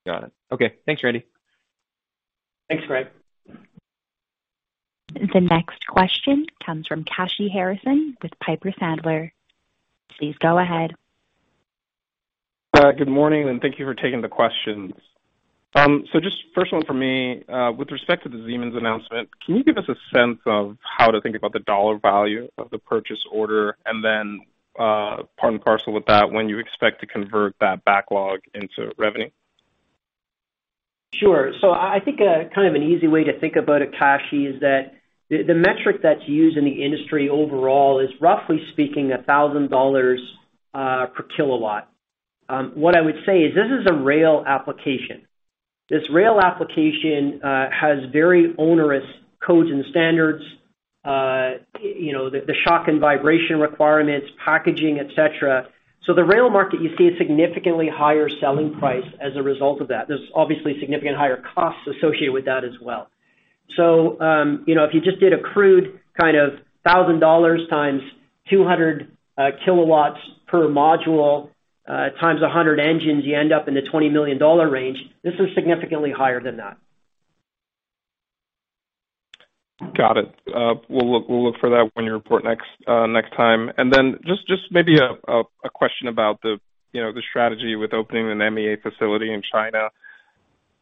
Got it. Okay. Thanks, Randy. Thanks, Greg. The next question comes from Kashy Harrison with Piper Sandler. Please go ahead. Good morning, and thank you for taking the questions. Just first one for me, with respect to the Siemens announcement, can you give us a sense of how to think about the dollar value of the purchase order? Then, part and parcel with that, when you expect to convert that backlog into revenue? Sure. I think kind of an easy way to think about it, Kashy, is that the metric that's used in the industry overall is roughly speaking $1,000 per kilowatt. What I would say is this is a rail application. This rail application has very onerous codes and standards, you know, the shock and vibration requirements, packaging, et cetera. The rail market, you see a significantly higher selling price as a result of that. There's obviously significant higher costs associated with that as well. You know, if you just did a crude kind of $1,000 times 200 kilowatts per module, times 100 engines, you end up in the $20 million range. This is significantly higher than that. Got it. We'll look for that when you report next time. Just maybe a question about the strategy with opening an MEA facility in China.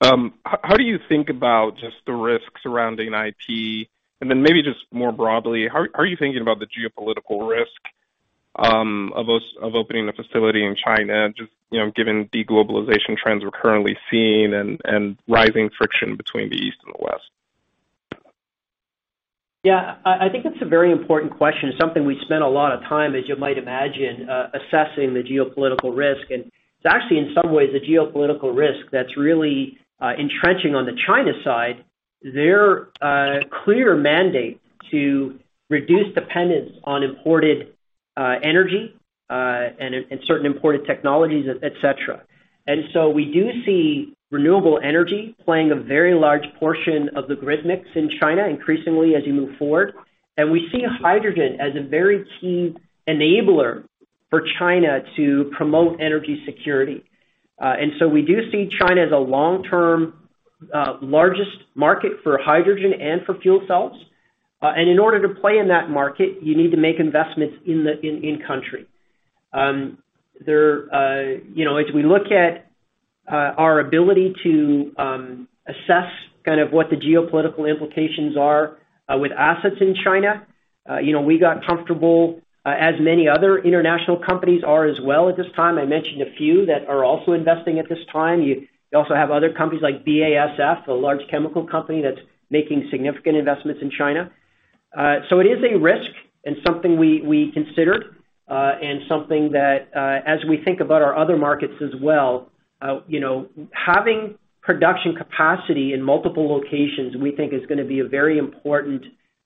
How do you think about just the risks surrounding it? Maybe just more broadly, how are you thinking about the geopolitical risk of opening a facility in China, just, you know, given de-globalization trends we're currently seeing and rising friction between the East and the West? Yeah, I think that's a very important question. It's something we spent a lot of time, as you might imagine, assessing the geopolitical risk. It's actually, in some ways, the geopolitical risk that's really entrenching on the China side, their clear mandate to reduce dependence on imported energy and certain imported technologies, et cetera. We do see renewable energy playing a very large portion of the grid mix in China increasingly as you move forward. We see hydrogen as a very key enabler for China to promote energy security. We do see China as a long-term largest market for hydrogen and for fuel cells. In order to play in that market, you need to make investments in the country. You know, as we look at our ability to assess kind of what the geopolitical implications are with assets in China, you know, we got comfortable as many other international companies are as well at this time. I mentioned a few that are also investing at this time. You also have other companies like BASF, a large chemical company that's making significant investments in China. It is a risk and something we considered, and something that as we think about our other markets as well, you know, having production capacity in multiple locations we think is gonna be a very important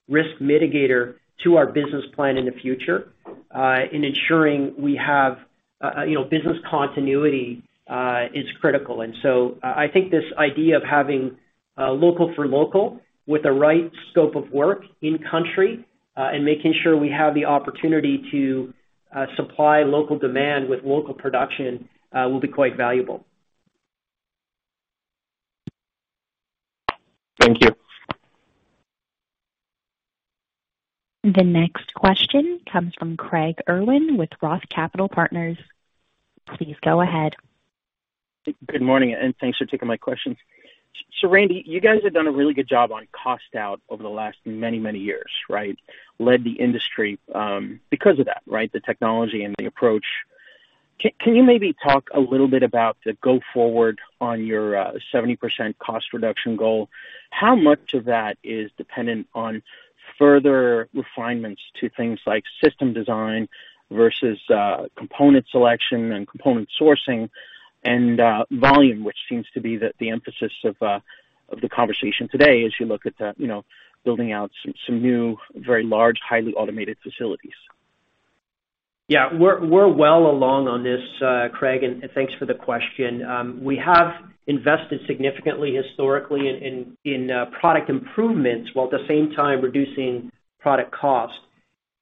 risk mitigator to our business plan in the future, in ensuring we have you know, business continuity is critical. I think this idea of having Local for Local with the right scope of work in country and making sure we have the opportunity to supply local demand with local production will be quite valuable. Thank you. The next question comes from Craig Irwin with ROTH Capital Partners. Please go ahead. Good morning, and thanks for taking my questions. Randy, you guys have done a really good job on cost out over the last many, many years, right? Led the industry, because of that, right? The technology and the approach. Can you maybe talk a little bit about the go forward on your 70% cost reduction goal? How much of that is dependent on further refinements to things like system design versus component selection and component sourcing and volume, which seems to be the emphasis of the conversation today as you look at the, you know, building out some new very large highly automated facilities? We're well along on this, Craig, and thanks for the question. We have invested significantly historically in product improvements while at the same time reducing product cost.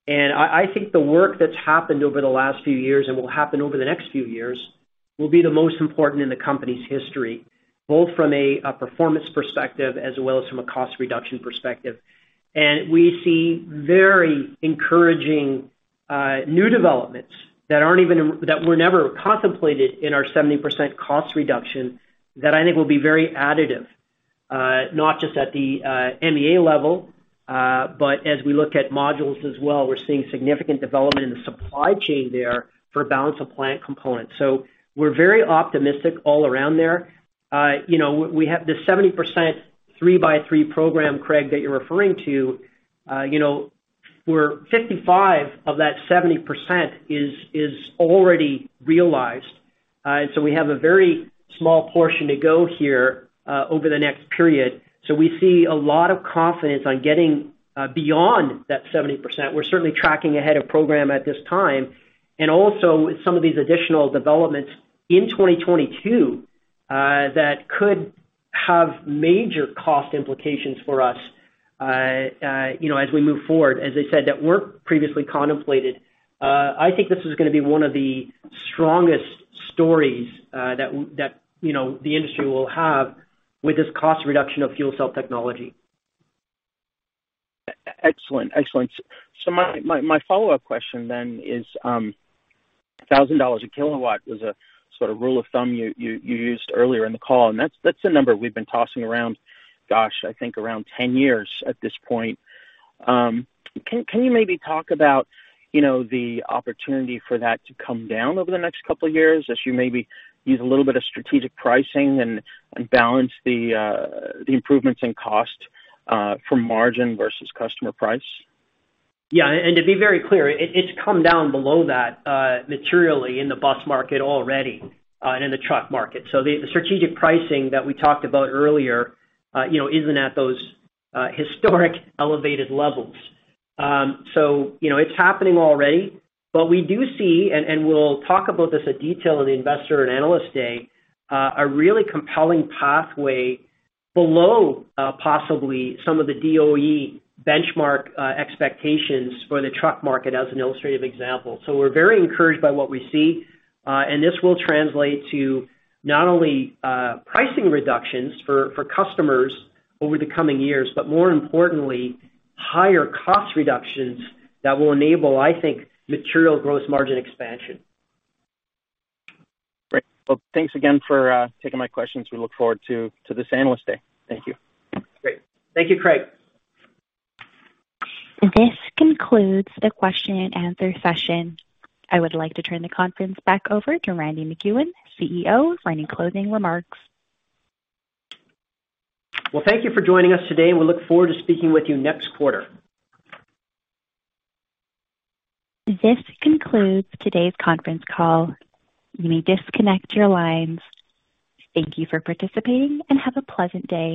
I think the work that's happened over the last few years and will happen over the next few years will be the most important in the company's history, both from a performance perspective as well as from a cost reduction perspective. We see very encouraging new developments that were never contemplated in our 70% cost reduction that I think will be very additive, not just at the MEA level, but as we look at modules as well, we're seeing significant development in the supply chain there for balance of plant components. We're very optimistic all around there. You know, we have this 70% 3x3 program, Craig, that you're referring to, you know, where 55% of that 70% is already realized. So we have a very small portion to go here, over the next period. We see a lot of confidence on getting beyond that 70%. We're certainly tracking ahead of program at this time. Also with some of these additional developments in 2022, that could have major cost implications for us, you know, as we move forward, as I said, that weren't previously contemplated. I think this is gonna be one of the strongest stories, that you know, the industry will have with this cost reduction of fuel cell technology. Excellent. My follow-up question then is, $1,000 a kilowatt was a sort of rule of thumb you used earlier in the call, and that's the number we've been tossing around, gosh, I think around 10 years at this point. Can you maybe talk about, you know, the opportunity for that to come down over the next couple of years as you maybe use a little bit of strategic pricing and balance the improvements in cost for margin versus customer price? Yeah. To be very clear, it's come down below that materially in the bus market already, and in the truck market. The strategic pricing that we talked about earlier, you know, isn't at those historic elevated levels. You know, it's happening already, but we do see we'll talk about this in detail in the investor and analyst day, a really compelling pathway below possibly some of the DOE benchmark expectations for the truck market as an illustrative example. We're very encouraged by what we see, and this will translate to not only pricing reductions for customers over the coming years, but more importantly, higher cost reductions that will enable, I think, material gross margin expansion. Great. Well, thanks again for taking my questions. We look forward to this Analyst Day. Thank you. Great. Thank you, Craig. This concludes the question and answer session. I would like to turn the conference back over to Randy MacEwen, CEO, for any closing remarks. Well, thank you for joining us today, and we look forward to speaking with you next quarter. This concludes today's conference call. You may disconnect your lines. Thank you for participating, and have a pleasant day.